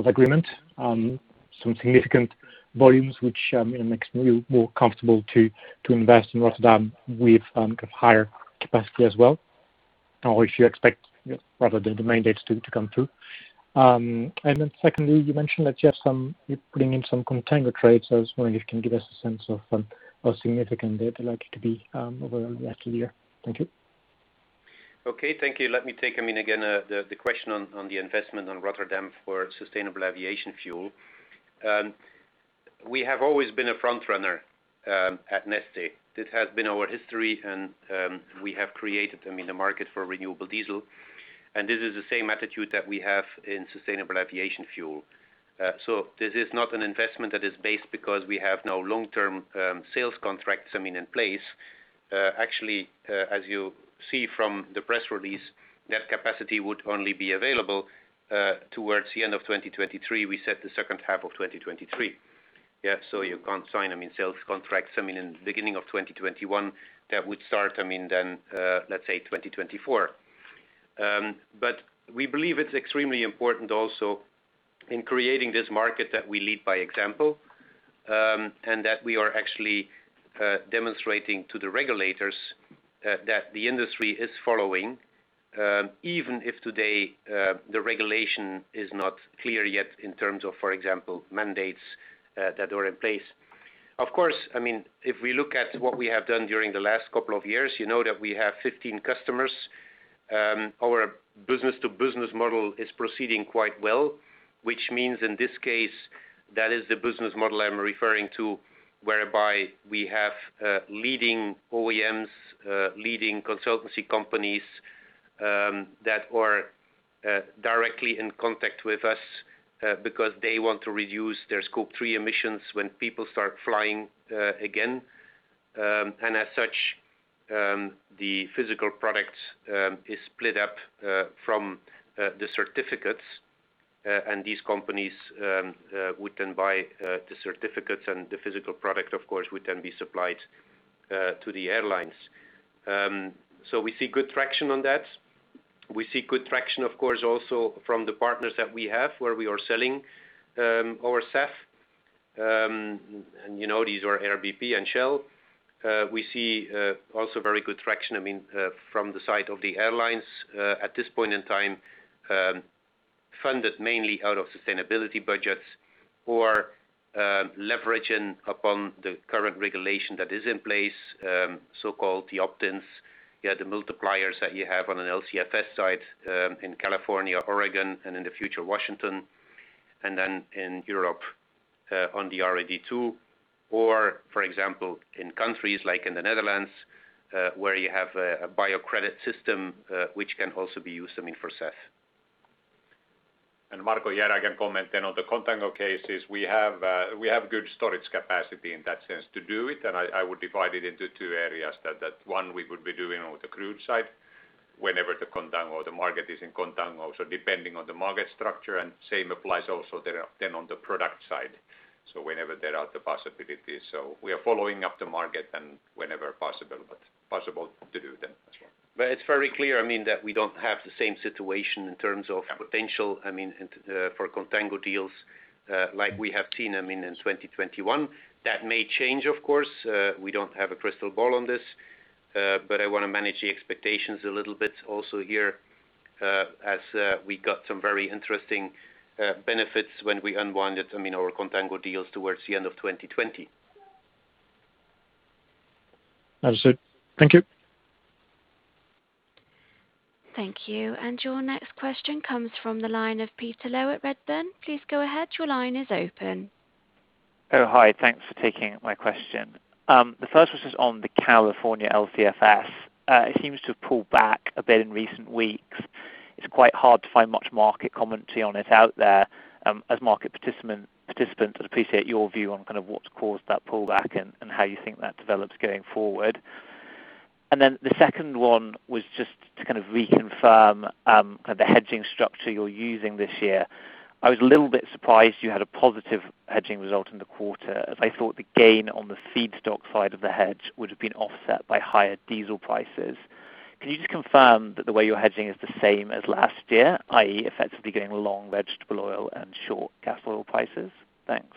agreement, some significant volumes, which makes you more comfortable to invest in Rotterdam with higher capacity as well, or if you expect rather the mandates to come through. Secondly, you mentioned that you're putting in some contango trades, so I was wondering if you can give us a sense of how significant they're likely to be over the last year. Thank you. Okay, thank you. Let me take, again, the question on the investment on Rotterdam for sustainable aviation fuel. We have always been a frontrunner at Neste. This has been our history, and we have created the market for renewable diesel, and this is the same attitude that we have in sustainable aviation fuel. This is not an investment that is based because we have now long-term sales contracts in place. Actually, as you see from the press release, that capacity would only be available towards the end of 2023. We said the second half of 2023. Yeah, you can't sign sales contracts in the beginning of 2021 that would start, then, let's say 2024. We believe it's extremely important also in creating this market that we lead by example, and that we are actually demonstrating to the regulators that the industry is following, even if today the regulation is not clear yet in terms of, for example, mandates that are in place. If we look at what we have done during the last couple of years, you know that we have 15 customers. Our business-to-business model is proceeding quite well, which means in this case, that is the business model I'm referring to, whereby we have leading OEMs, leading consultancy companies, that are directly in contact with us because they want to reduce their Scope 3 emissions when people start flying again. As such, the physical product is split up from the certificates. These companies would then buy the certificates and the physical product, of course, would then be supplied to the airlines. We see good traction on that. We see good traction, of course, also from the partners that we have, where we are selling our SAF. You know, these are Air BP and Shell. We see also very good traction from the side of the airlines at this point in time, funded mainly out of sustainability budgets or leveraging upon the current regulation that is in place, so-called the opt-ins, the multipliers that you have on an LCFS side in California, Oregon, and in the future, Washington, and then in Europe, on the RED II or, for example, in countries like in the Netherlands, where you have a bio-credit system, which can also be used for SAF. Marko, here I can comment then on the contango cases. We have good storage capacity in that sense to do it, and I would divide it into two areas. That one we would be doing on the crude side whenever the contango, the market is in contango, so depending on the market structure, and same applies also then on the product side, so whenever there are the possibilities. We are following up the market and whenever possible to do then as well. It's very clear that we don't have the same situation in terms of potential for contango deals like we have seen in 2021. That may change, of course. We don't have a crystal ball on this. I want to manage the expectations a little bit also here, as we got some very interesting benefits when we unwanted our contango deals towards the end of 2020. Understood. Thank you. Thank you. Your next question comes from the line of Peter Low at Redburn. Please go ahead. Your line is open. Oh, hi. Thanks for taking my question. The first was just on the California LCFS. It seems to have pulled back a bit in recent weeks. It's quite hard to find much market commentary on it out there. As market participants, I'd appreciate your view on what's caused that pullback and how you think that develops going forward. The second one was just to reconfirm the hedging structure you're using this year. I was a little bit surprised you had a positive hedging result in the quarter, as I thought the gain on the feedstock side of the hedge would have been offset by higher diesel prices. Can you just confirm that the way you're hedging is the same as last year, i.e., effectively going long vegetable oil and short gas oil prices? Thanks.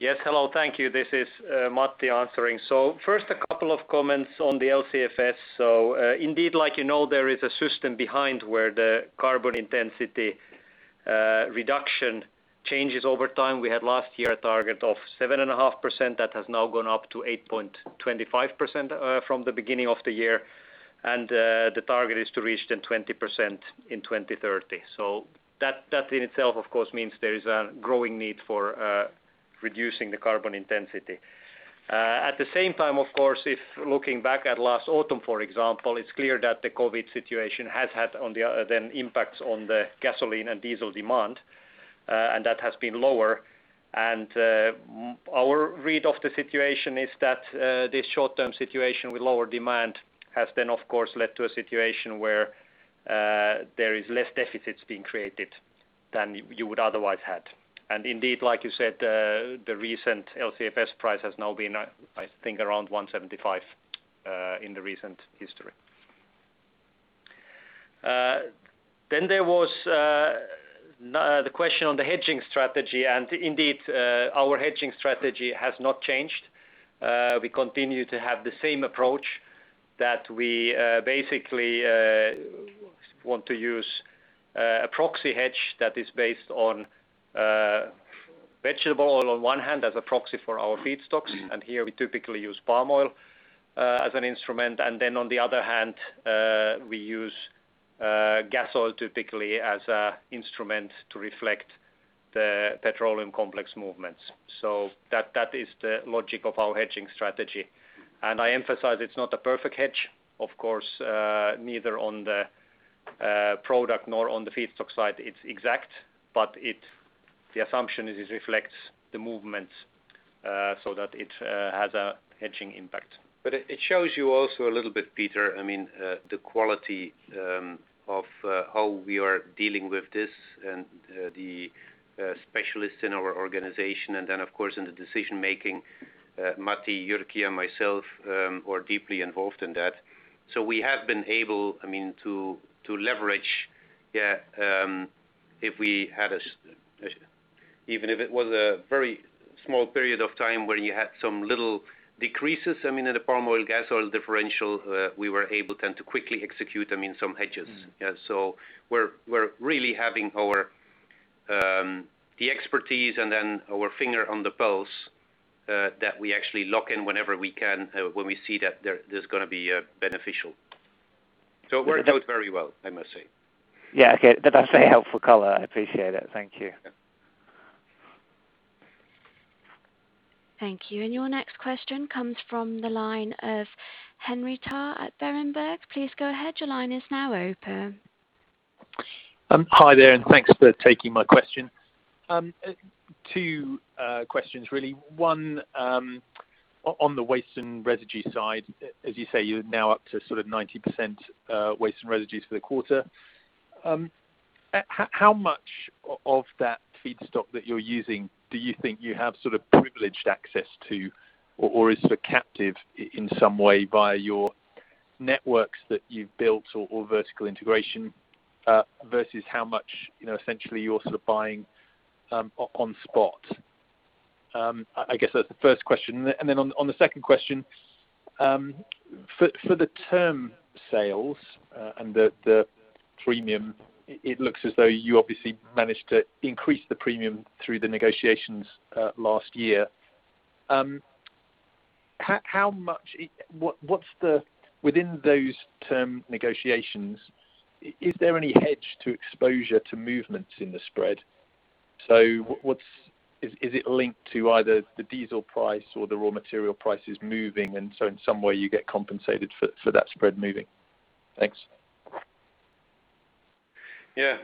Yes. Hello. Thank you. This is Matti answering. First, a couple of comments on the LCFS. Indeed, like you know, there is a system behind where the carbon intensity reduction changes over time. We had last year a target of 7.5% that has now gone up to 8.25% from the beginning of the year. The target is to reach then 20% in 2030. That in itself, of course, means there is a growing need for reducing the carbon intensity. At the same time, of course, if looking back at last autumn, for example, it's clear that the COVID-19 situation has had then impacts on the gasoline and diesel demand, and that has been lower. Our read of the situation is that this short-term situation with lower demand has then, of course, led to a situation where there is less deficits being created than you would otherwise had. Indeed, like you said, the recent LCFS price has now been, I think around 175 in the recent history. There was the question on the hedging strategy. Indeed, our hedging strategy has not changed. We continue to have the same approach that we basically want to use a proxy hedge that is based on vegetable oil on one hand as a proxy for our feedstocks, and here we typically use palm oil as an instrument. On the other hand, we use gas oil typically as an instrument to reflect the petroleum complex movements. That is the logic of our hedging strategy. I emphasize it's not a perfect hedge, of course, neither on the product nor on the feedstock side it's exact, but the assumption is it reflects the movements so that it has a hedging impact. It shows you also a little bit, Peter, the quality of how we are dealing with this and the specialists in our organization. Of course, in the decision-making, Matti, Jyrki, and myself are deeply involved in that. We have been able to leverage even if it was a very small period of time where you had some little decreases in the palm oil, gas oil differential, we were able then to quickly execute some hedges. We're really having our expertise and then our finger on the pulse that we actually lock in whenever we can, when we see that there's going to be a beneficial situation. It worked out very well, I must say. Yeah. Okay. That's a helpful color. I appreciate it. Thank you. Thank you. Your next question comes from the line of Henry Tarr at Berenberg. Please go ahead. Hi there, and thanks for taking my question. Two questions, really. One, on the waste and residue side, as you say, you're now up to 90% waste and residues for the quarter. How much of that feedstock that you're using do you think you have privileged access to or is captive in some way via your networks that you've built or vertical integration versus how much essentially you're buying on spot? I guess that's the first question. Then on the second question, for the term sales and the premium, it looks as though you obviously managed to increase the premium through the negotiations last year. Within those term negotiations, is there any hedge to exposure to movements in the spread? Is it linked to either the diesel price or the raw material prices moving, and so in some way you get compensated for that spread moving? Thanks.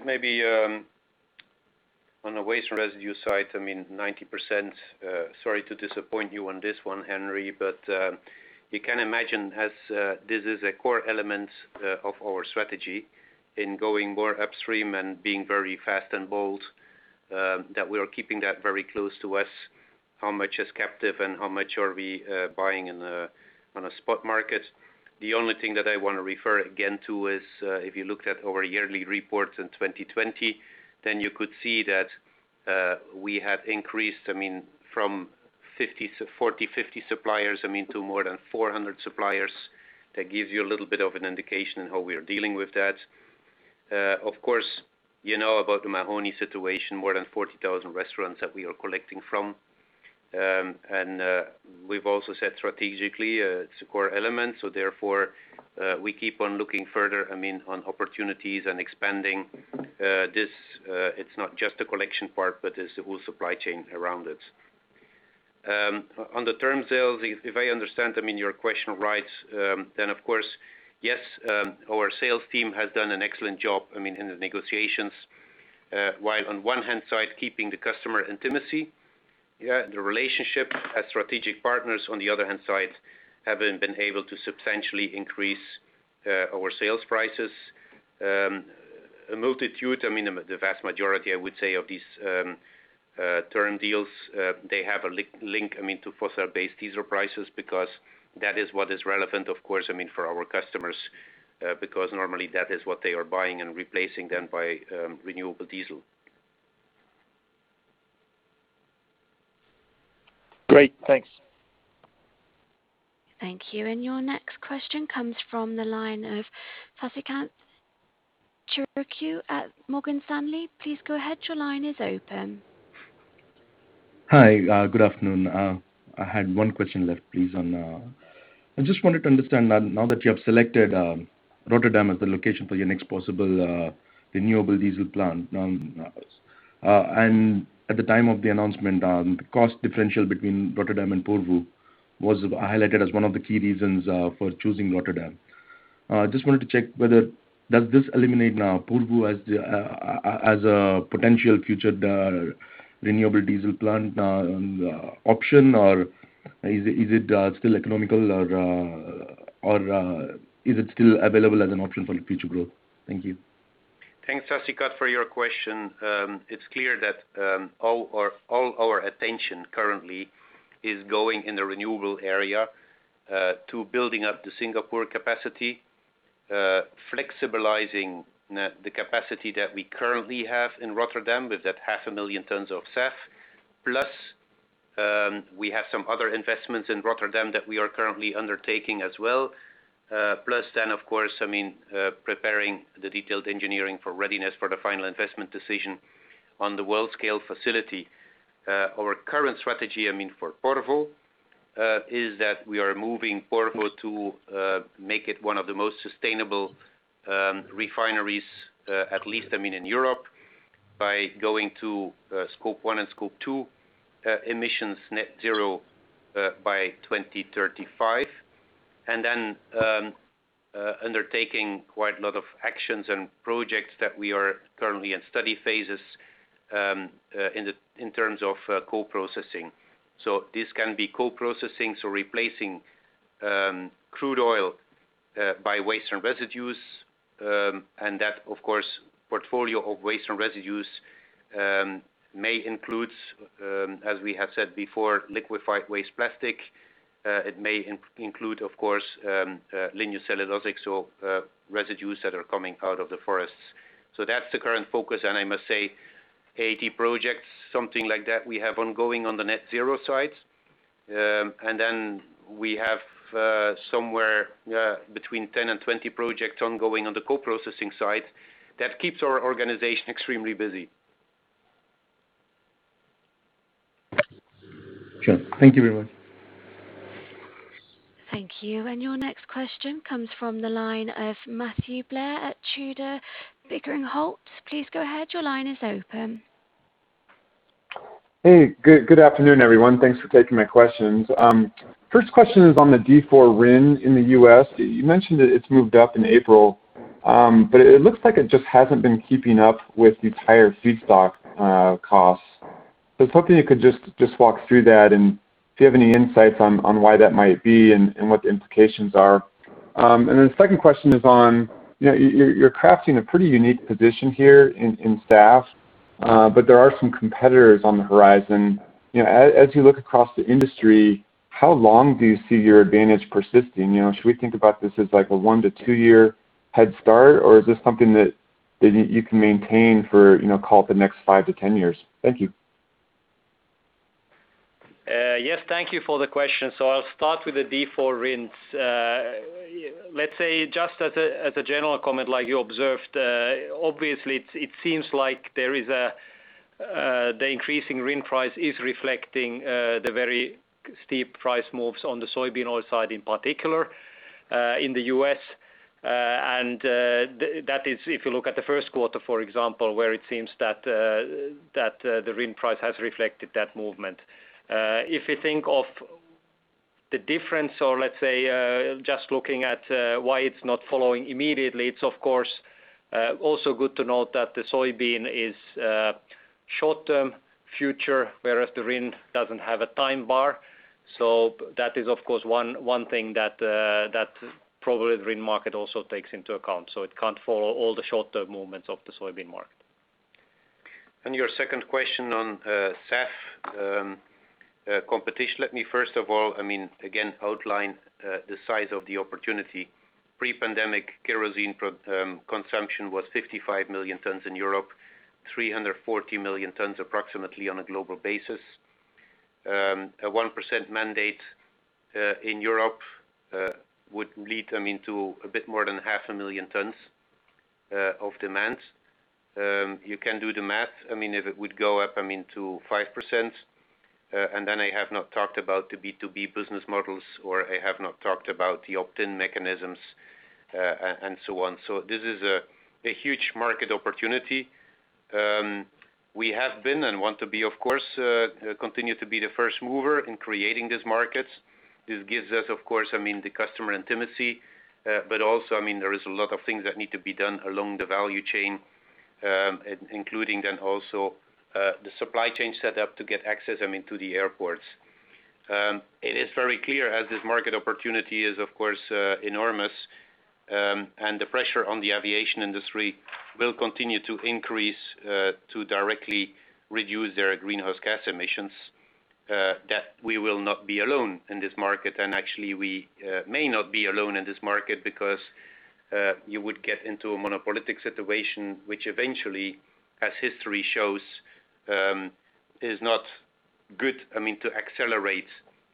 Maybe on the waste residue side, 90%, sorry to disappoint you on this one, Henry Tarr, but you can imagine as this is a core element of our strategy in going more upstream and being very fast and bold, that we are keeping that very close to us, how much is captive and how much are we buying on a spot market. The only thing that I want to refer again to is if you looked at our yearly reports in 2020, you could see that we have increased from 40, 50 suppliers, to more than 400 suppliers. That gives you a little bit of an indication on how we are dealing with that. Of course, you know about the Mahoney Environmental situation, more than 40,000 restaurants that we are collecting from. We've also said strategically, it's a core element. Therefore, we keep on looking further on opportunities and expanding this. It's not just the collection part, but it's the whole supply chain around it. On the term sales, if I understand your question right, of course, yes, our sales team has done an excellent job in the negotiations, while on one hand side, keeping the customer intimacy, the relationship as strategic partners, on the other hand side, have been able to substantially increase our sales prices. A multitude, the vast majority, I would say, of these term deals, they have a link to fossil-based diesel prices because that is what is relevant, of course, for our customers, because normally that is what they are buying and replacing then by renewable diesel. Great. Thanks. Thank you. Your next question comes from the line of Sasikanth Chilukuru at Morgan Stanley. Please go ahead. Your line is open. Hi. Good afternoon. I had one question left, please. I just wanted to understand, now that you have selected Rotterdam as the location for your next possible renewable diesel plant. At the time of the announcement, the cost differential between Rotterdam and Porvoo was highlighted as one of the key reasons for choosing Rotterdam. Just wanted to check whether does this eliminate now Porvoo as a potential future renewable diesel plant option, or is it still economical, or is it still available as an option for the future growth? Thank you. Thanks, Sasikanth, for your question. It's clear that all our attention currently is going in the renewable area, to building up the Singapore capacity, flexibilizing the capacity that we currently have in Rotterdam with that half a million tons of SAF, plus, we have some other investments in Rotterdam that we are currently undertaking as well. Then, of course, preparing the detailed engineering for readiness for the final investment decision on the world scale facility. Our current strategy for Porvoo is that we are moving Porvoo to make it one of the most sustainable refineries, at least in Europe, by going to Scope 1 and Scope 2 emissions net zero by 2035. Then, undertaking quite a lot of actions and projects that we are currently in study phases in terms of co-processing. This can be co-processing, so replacing crude oil by waste and residues, and that, of course, portfolio of waste and residues may include, as we have said before, liquefied waste plastic. It may include, of course, lignocellulosic, so residues that are coming out of the forests. That's the current focus. I must say 80 projects, something like that, we have ongoing on the net zero side. We have somewhere between 10 and 20 projects ongoing on the co-processing side that keeps our organization extremely busy. Sure. Thank you very much. Thank you. Your next question comes from the line of Matthew Blair at Tudor, Pickering, Holt. Hey, good afternoon, everyone. Thanks for taking my questions. First question is on the D4 RIN in the U.S. You mentioned that it's moved up in April, but it looks like it just hasn't been keeping up with the higher feedstock costs. I was hoping you could just walk through that, and if you have any insights on why that might be and what the implications are. The second question is on, you're crafting a pretty unique position here in SAF, but there are some competitors on the horizon. As you look across the industry, how long do you see your advantage persisting? Should we think about this as like a one to two-year head start, or is this something that you can maintain for the next five to 10 years? Thank you. Yes. Thank you for the question. I'll start with the D4 RINs. Let's say, just as a general comment like you observed, obviously it seems like the increasing RIN price is reflecting the very steep price moves on the soybean oil side, in particular, in the U.S. That is, if you look at the first quarter, for example, where it seems that the RIN price has reflected that movement. If you think of the difference, or let's say, just looking at why it's not following immediately, it's of course also good to note that the soybean is short-term future, whereas the RIN doesn't have a time bar. That is, of course, one thing that probably the RIN market also takes into account. It can't follow all the short-term movements of the soybean market. Your second question on SAF competition. Let me first of all, again, outline the size of the opportunity. Pre-pandemic kerosene consumption was 55 million tons in Europe, 340 million tons approximately on a global basis. A 1% mandate in Europe would lead to a bit more than 0.5 million tons of demand. You can do the math. If it would go up to 5%, I have not talked about the B2B business models, I have not talked about the opt-in mechanisms, and so on. This is a huge market opportunity. We have been and want to, of course, continue to be the first mover in creating these markets. This gives us the customer intimacy. There is a lot of things that need to be done along the value chain, including also the supply chain set up to get access into the airports. It is very clear as this market opportunity is enormous, and the pressure on the aviation industry will continue to increase to directly reduce their greenhouse gas emissions, that we will not be alone in this market. Actually, we may not be alone in this market because you would get into a monopolistic situation, which eventually, as history shows, is not good to accelerate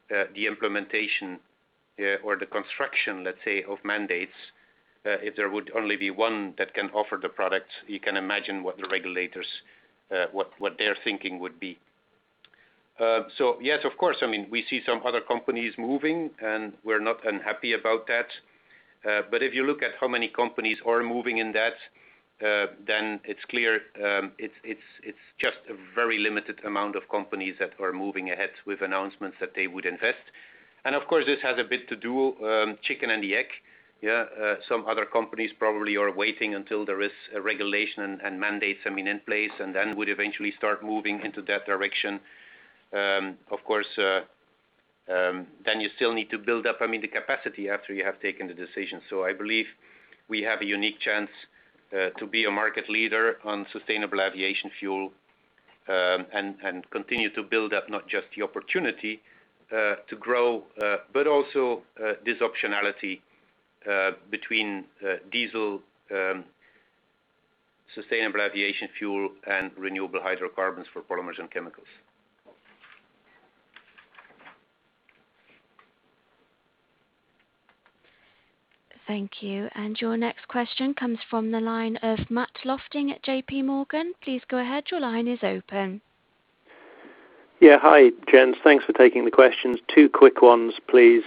the implementation or the construction of mandates. If there would only be one that can offer the product, you can imagine what the regulators, what their thinking would be. Yes, of course, we see some other companies moving, and we're not unhappy about that. If you look at how many companies are moving in that, then it's clear it's just a very limited amount of companies that are moving ahead with announcements that they would invest. Of course, this has a bit to do, chicken and the egg. Some other companies probably are waiting until there is regulation and mandates in place and then would eventually start moving into that direction. You still need to build up the capacity after you have taken the decision. I believe we have a unique chance to be a market leader on sustainable aviation fuel and continue to build up not just the opportunity to grow, but also this optionality between diesel, sustainable aviation fuel, and renewable hydrocarbons for polymers and chemicals. Thank you. Your next question comes from the line of Matt Lofting at JPMorgan. Please go ahead. Your line is open. Yeah. Hi, gents. Thanks for taking the questions. Two quick ones, please.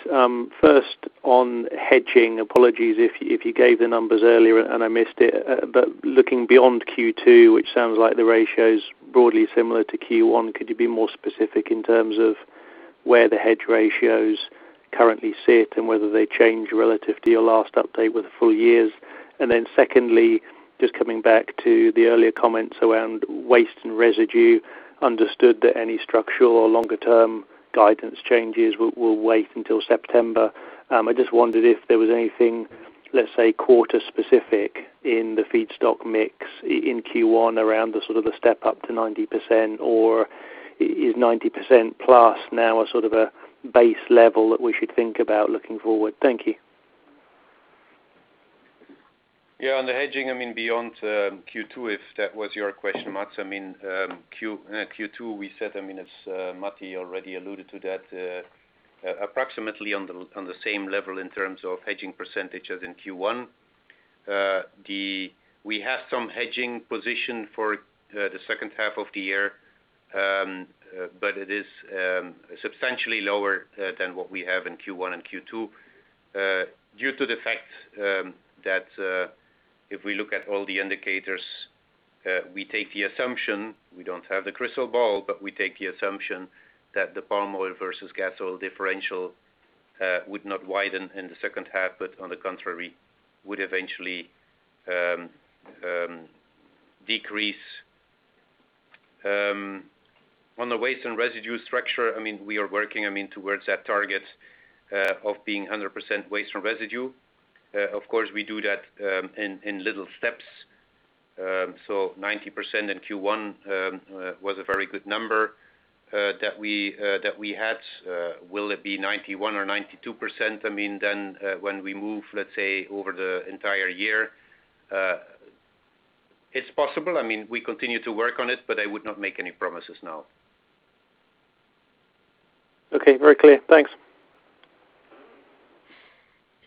First on hedging. Apologies if you gave the numbers earlier and I missed it. Looking beyond Q2, which sounds like the ratio's broadly similar to Q1, could you be more specific in terms of where the hedge ratios currently sit and whether they change relative to your last update with the full years? Secondly, just coming back to the earlier comments around waste and residue. Understood that any structural or longer-term guidance changes will wait until September. I just wondered if there was anything, let's say, quarter-specific in the feedstock mix in Q1 around the sort of the step up to 90%, or is 90%+ now a sort of a base level that we should think about looking forward? Thank you. On the hedging, beyond Q2, if that was your question, Matt. Q2, we said, as Matti already alluded to that, approximately on the same level in terms of hedging percentage as in Q1. We have some hedging position for the second half of the year, but it is substantially lower than what we have in Q1 and Q2 due to the fact that if we look at all the indicators, we take the assumption, we don't have the crystal ball, but we take the assumption that the palm oil versus gas oil differential would not widen in the second half, but on the contrary, would eventually decrease. On the waste and residue structure, we are working towards that target of being 100% waste and residue. Of course, we do that in little steps. 90% in Q1 was a very good number that we had. Will it be 91% or 92% then when we move, let's say, over the entire year? It's possible. We continue to work on it, but I would not make any promises now. Okay. Very clear. Thanks.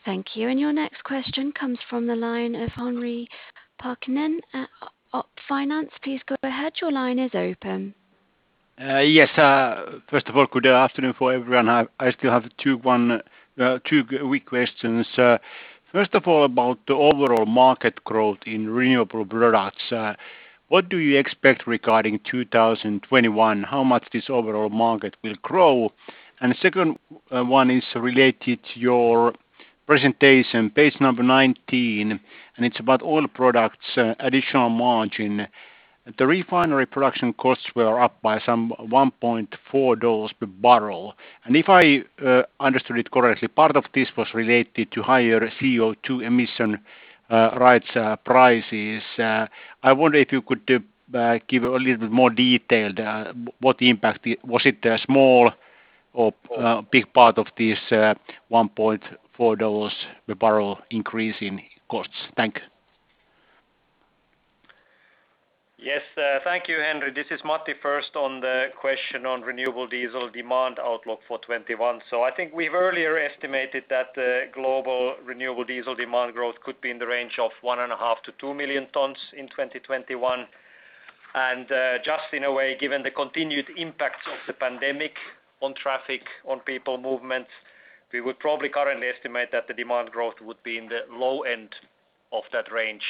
Thank you. Your next question comes from the line of Henri Parkkinen at OP Finance. Please go ahead. Yes. First of all, good afternoon for everyone. I still have two weak questions. First of all, about the overall market growth in renewable products. What do you expect regarding 2021? How much this overall market will grow? The second one is related to your presentation, page number 19, and it's about Oil Products additional margin. The refinery production costs were up by some EUR 1.4 per barrel. If I understood it correctly, part of this was related to higher CO2 emission rights prices. I wonder if you could give a little bit more detail. What impact? Was it a small or a big part of this EUR 1.4 per barrel increase in costs? Thank you. Yes. Thank you, Henri. This is Matti. First, on the question on renewable diesel demand outlook for 2021. I think we've earlier estimated that the global renewable diesel demand growth could be in the range of 1.5 million-2 million tons in 2021. Just in a way, given the continued impact of the pandemic on traffic, on people movement, we would probably currently estimate that the demand growth would be in the low end of that range.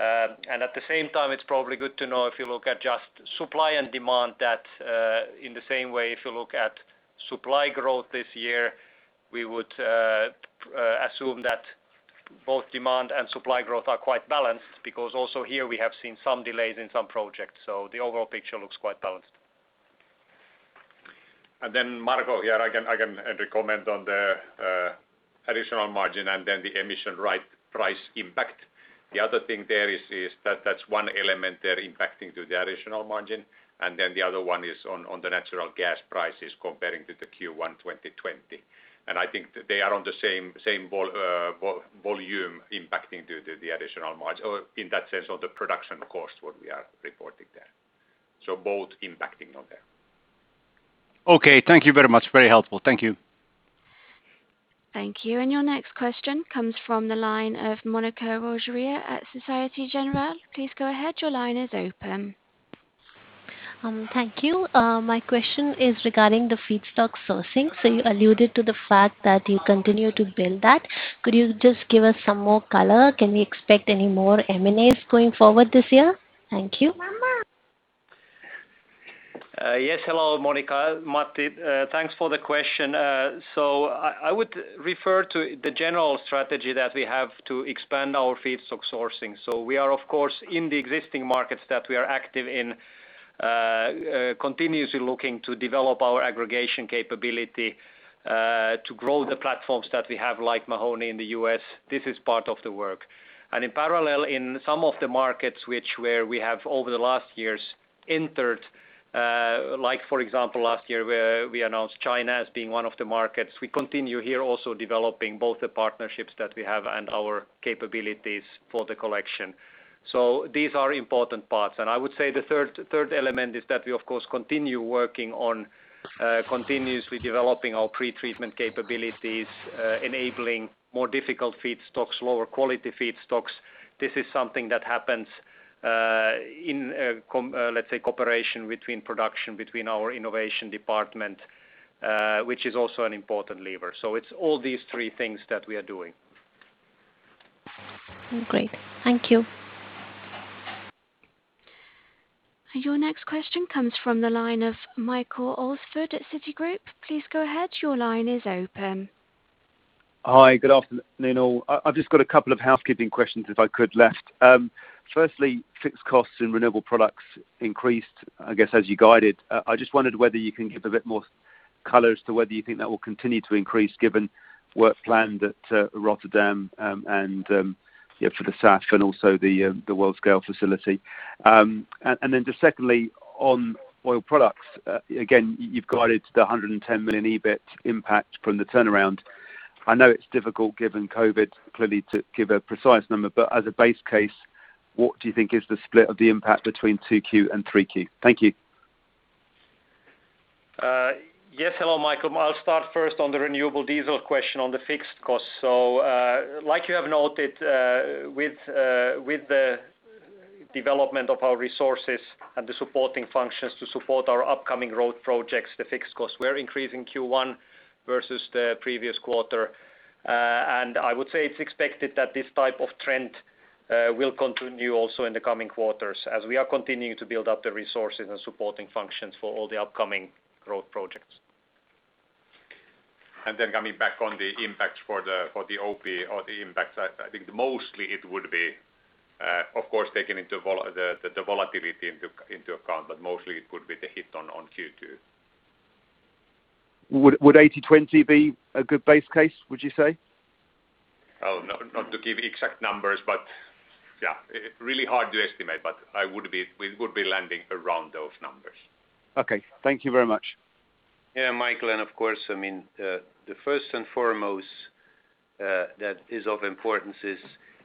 At the same time, it's probably good to know if you look at just supply and demand, that in the same way, if you look at supply growth this year, we would assume that both demand and supply growth are quite balanced, because also here we have seen some delays in some projects. The overall picture looks quite balanced. Marko here, I can recommend on the additional margin and then the emission right price impact. The other thing there is that that's one element they're impacting to the additional margin, and then the other one is on the natural gas prices comparing to the Q1 2020. I think they are on the same volume impacting to the additional margin, or in that sense, the production cost, what we are reporting there. Both impacting on there. Okay. Thank you very much. Very helpful. Thank you. Thank you. Your next question comes from the line of Monica Roggiero at Société Générale. Please go ahead. Your line is open. Thank you. My question is regarding the feedstock sourcing. You alluded to the fact that you continue to build that. Could you just give us some more color? Can we expect any more M&As going forward this year? Thank you. Yes. Hello, Monica. Matti. Thanks for the question. I would refer to the general strategy that we have to expand our feedstock sourcing. We are, of course, in the existing markets that we are active in, continuously looking to develop our aggregation capability to grow the platforms that we have, like Mahoney in the U.S. This is part of the work. In parallel, in some of the markets where we have over the last years entered, like for example, last year, where we announced China as being one of the markets, we continue here also developing both the partnerships that we have and our capabilities for the collection. These are important parts. I would say the third element is that we, of course, continue working on continuously developing our pretreatment capabilities, enabling more difficult feedstocks, lower quality feedstocks. This is something that happens in, let's say, cooperation between production, between our innovation department, which is also an important lever. It's all these three things that we are doing. Great. Thank you. Your next question comes from the line of Michael Alsford at Citigroup. Hi. Good afternoon, all. I've just got a couple of housekeeping questions, if I could, left. Firstly, fixed costs in Renewable Products increased, I guess, as you guided. I just wondered whether you can give a bit more color as to whether you think that will continue to increase given work planned at Rotterdam and for the SAF and also the world-scale facility. Just secondly, on Oil Products, again, you've guided the 110 million EBIT impact from the turnaround. I know it's difficult given COVID, clearly, to give a precise number, but as a base case, what do you think is the split of the impact between 2Q and 3Q? Thank you. Yes. Hello, Michael. I'll start first on the renewable diesel question on the fixed costs. Like you have noted, with the development of our resources and the supporting functions to support our upcoming growth projects, the fixed costs were increased in Q1 versus the previous quarter. I would say it's expected that this type of trend will continue also in the coming quarters as we are continuing to build up the resources and supporting functions for all the upcoming growth projects. Coming back on the impact for the OP or the impact side, I think mostly it would be, of course, taking the volatility into account, but mostly it would be the hit on Q2. Would 80/20 be a good base case, would you say? Oh, no. Not to give exact numbers, but yeah, really hard to estimate, but we would be landing around those numbers. Okay. Thank you very much. Michael, of course, the first and foremost that is of importance is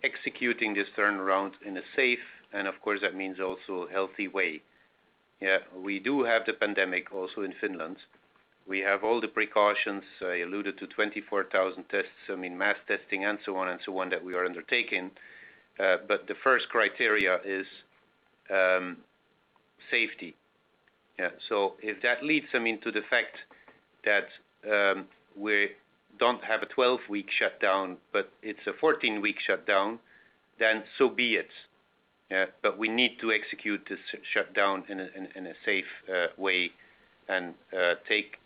executing this turnaround in a safe, and of course, that means also healthy way. We do have the pandemic also in Finland. We have all the precautions. I alluded to 24,000 tests, mass testing, and so on and so on, that we are undertaking. The first criteria is safety. If that leads them into the fact that we don't have a 12-week shutdown, but it's a 14-week shutdown, then so be it. We need to execute this shutdown in a safe way and take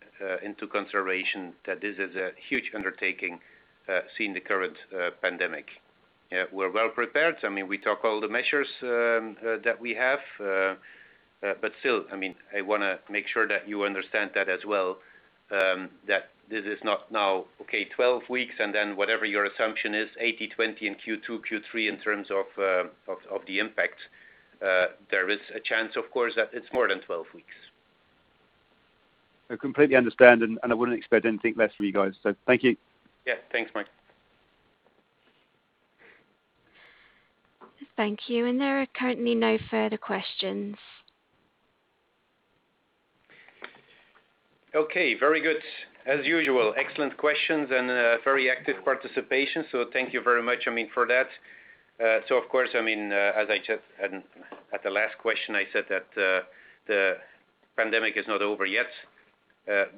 into consideration that this is a huge undertaking, seeing the current pandemic. We're well prepared. We took all the measures that we have, but still, I want to make sure that you understand that as well, that this is not now, okay, 12 weeks, and then whatever your assumption is, 80/20 in Q2, Q3 in terms of the impact, there is a chance, of course, that it's more than 12 weeks. I completely understand, and I wouldn't expect anything less from you guys. Thank you. Yeah. Thanks, Mike. Thank you. There are currently no further questions. Okay, very good. As usual, excellent questions and very active participation. Thank you very much for that. At the last question I said that the pandemic is not over yet,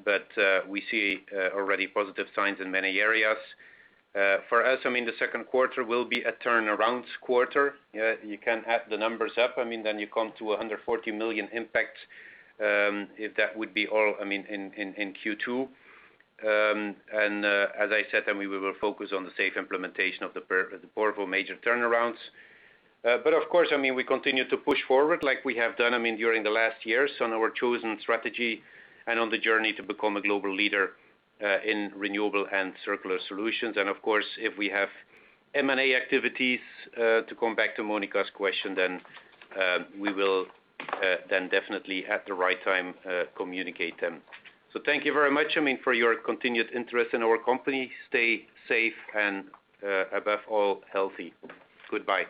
but we see already positive signs in many areas. For us, the second quarter will be a turnaround quarter. You can add the numbers up, then you come to 140 million impact, if that would be all in Q2. As I said, we will focus on the safe implementation of the Porvoo major turnarounds. Of course, we continue to push forward like we have done during the last years on our chosen strategy and on the journey to become a global leader in renewable and circular solutions. Of course, if we have M&A activities, to come back to Monica's question, then we will then definitely, at the right time, communicate them. Thank you very much for your continued interest in our company. Stay safe and, above all, healthy. Goodbye.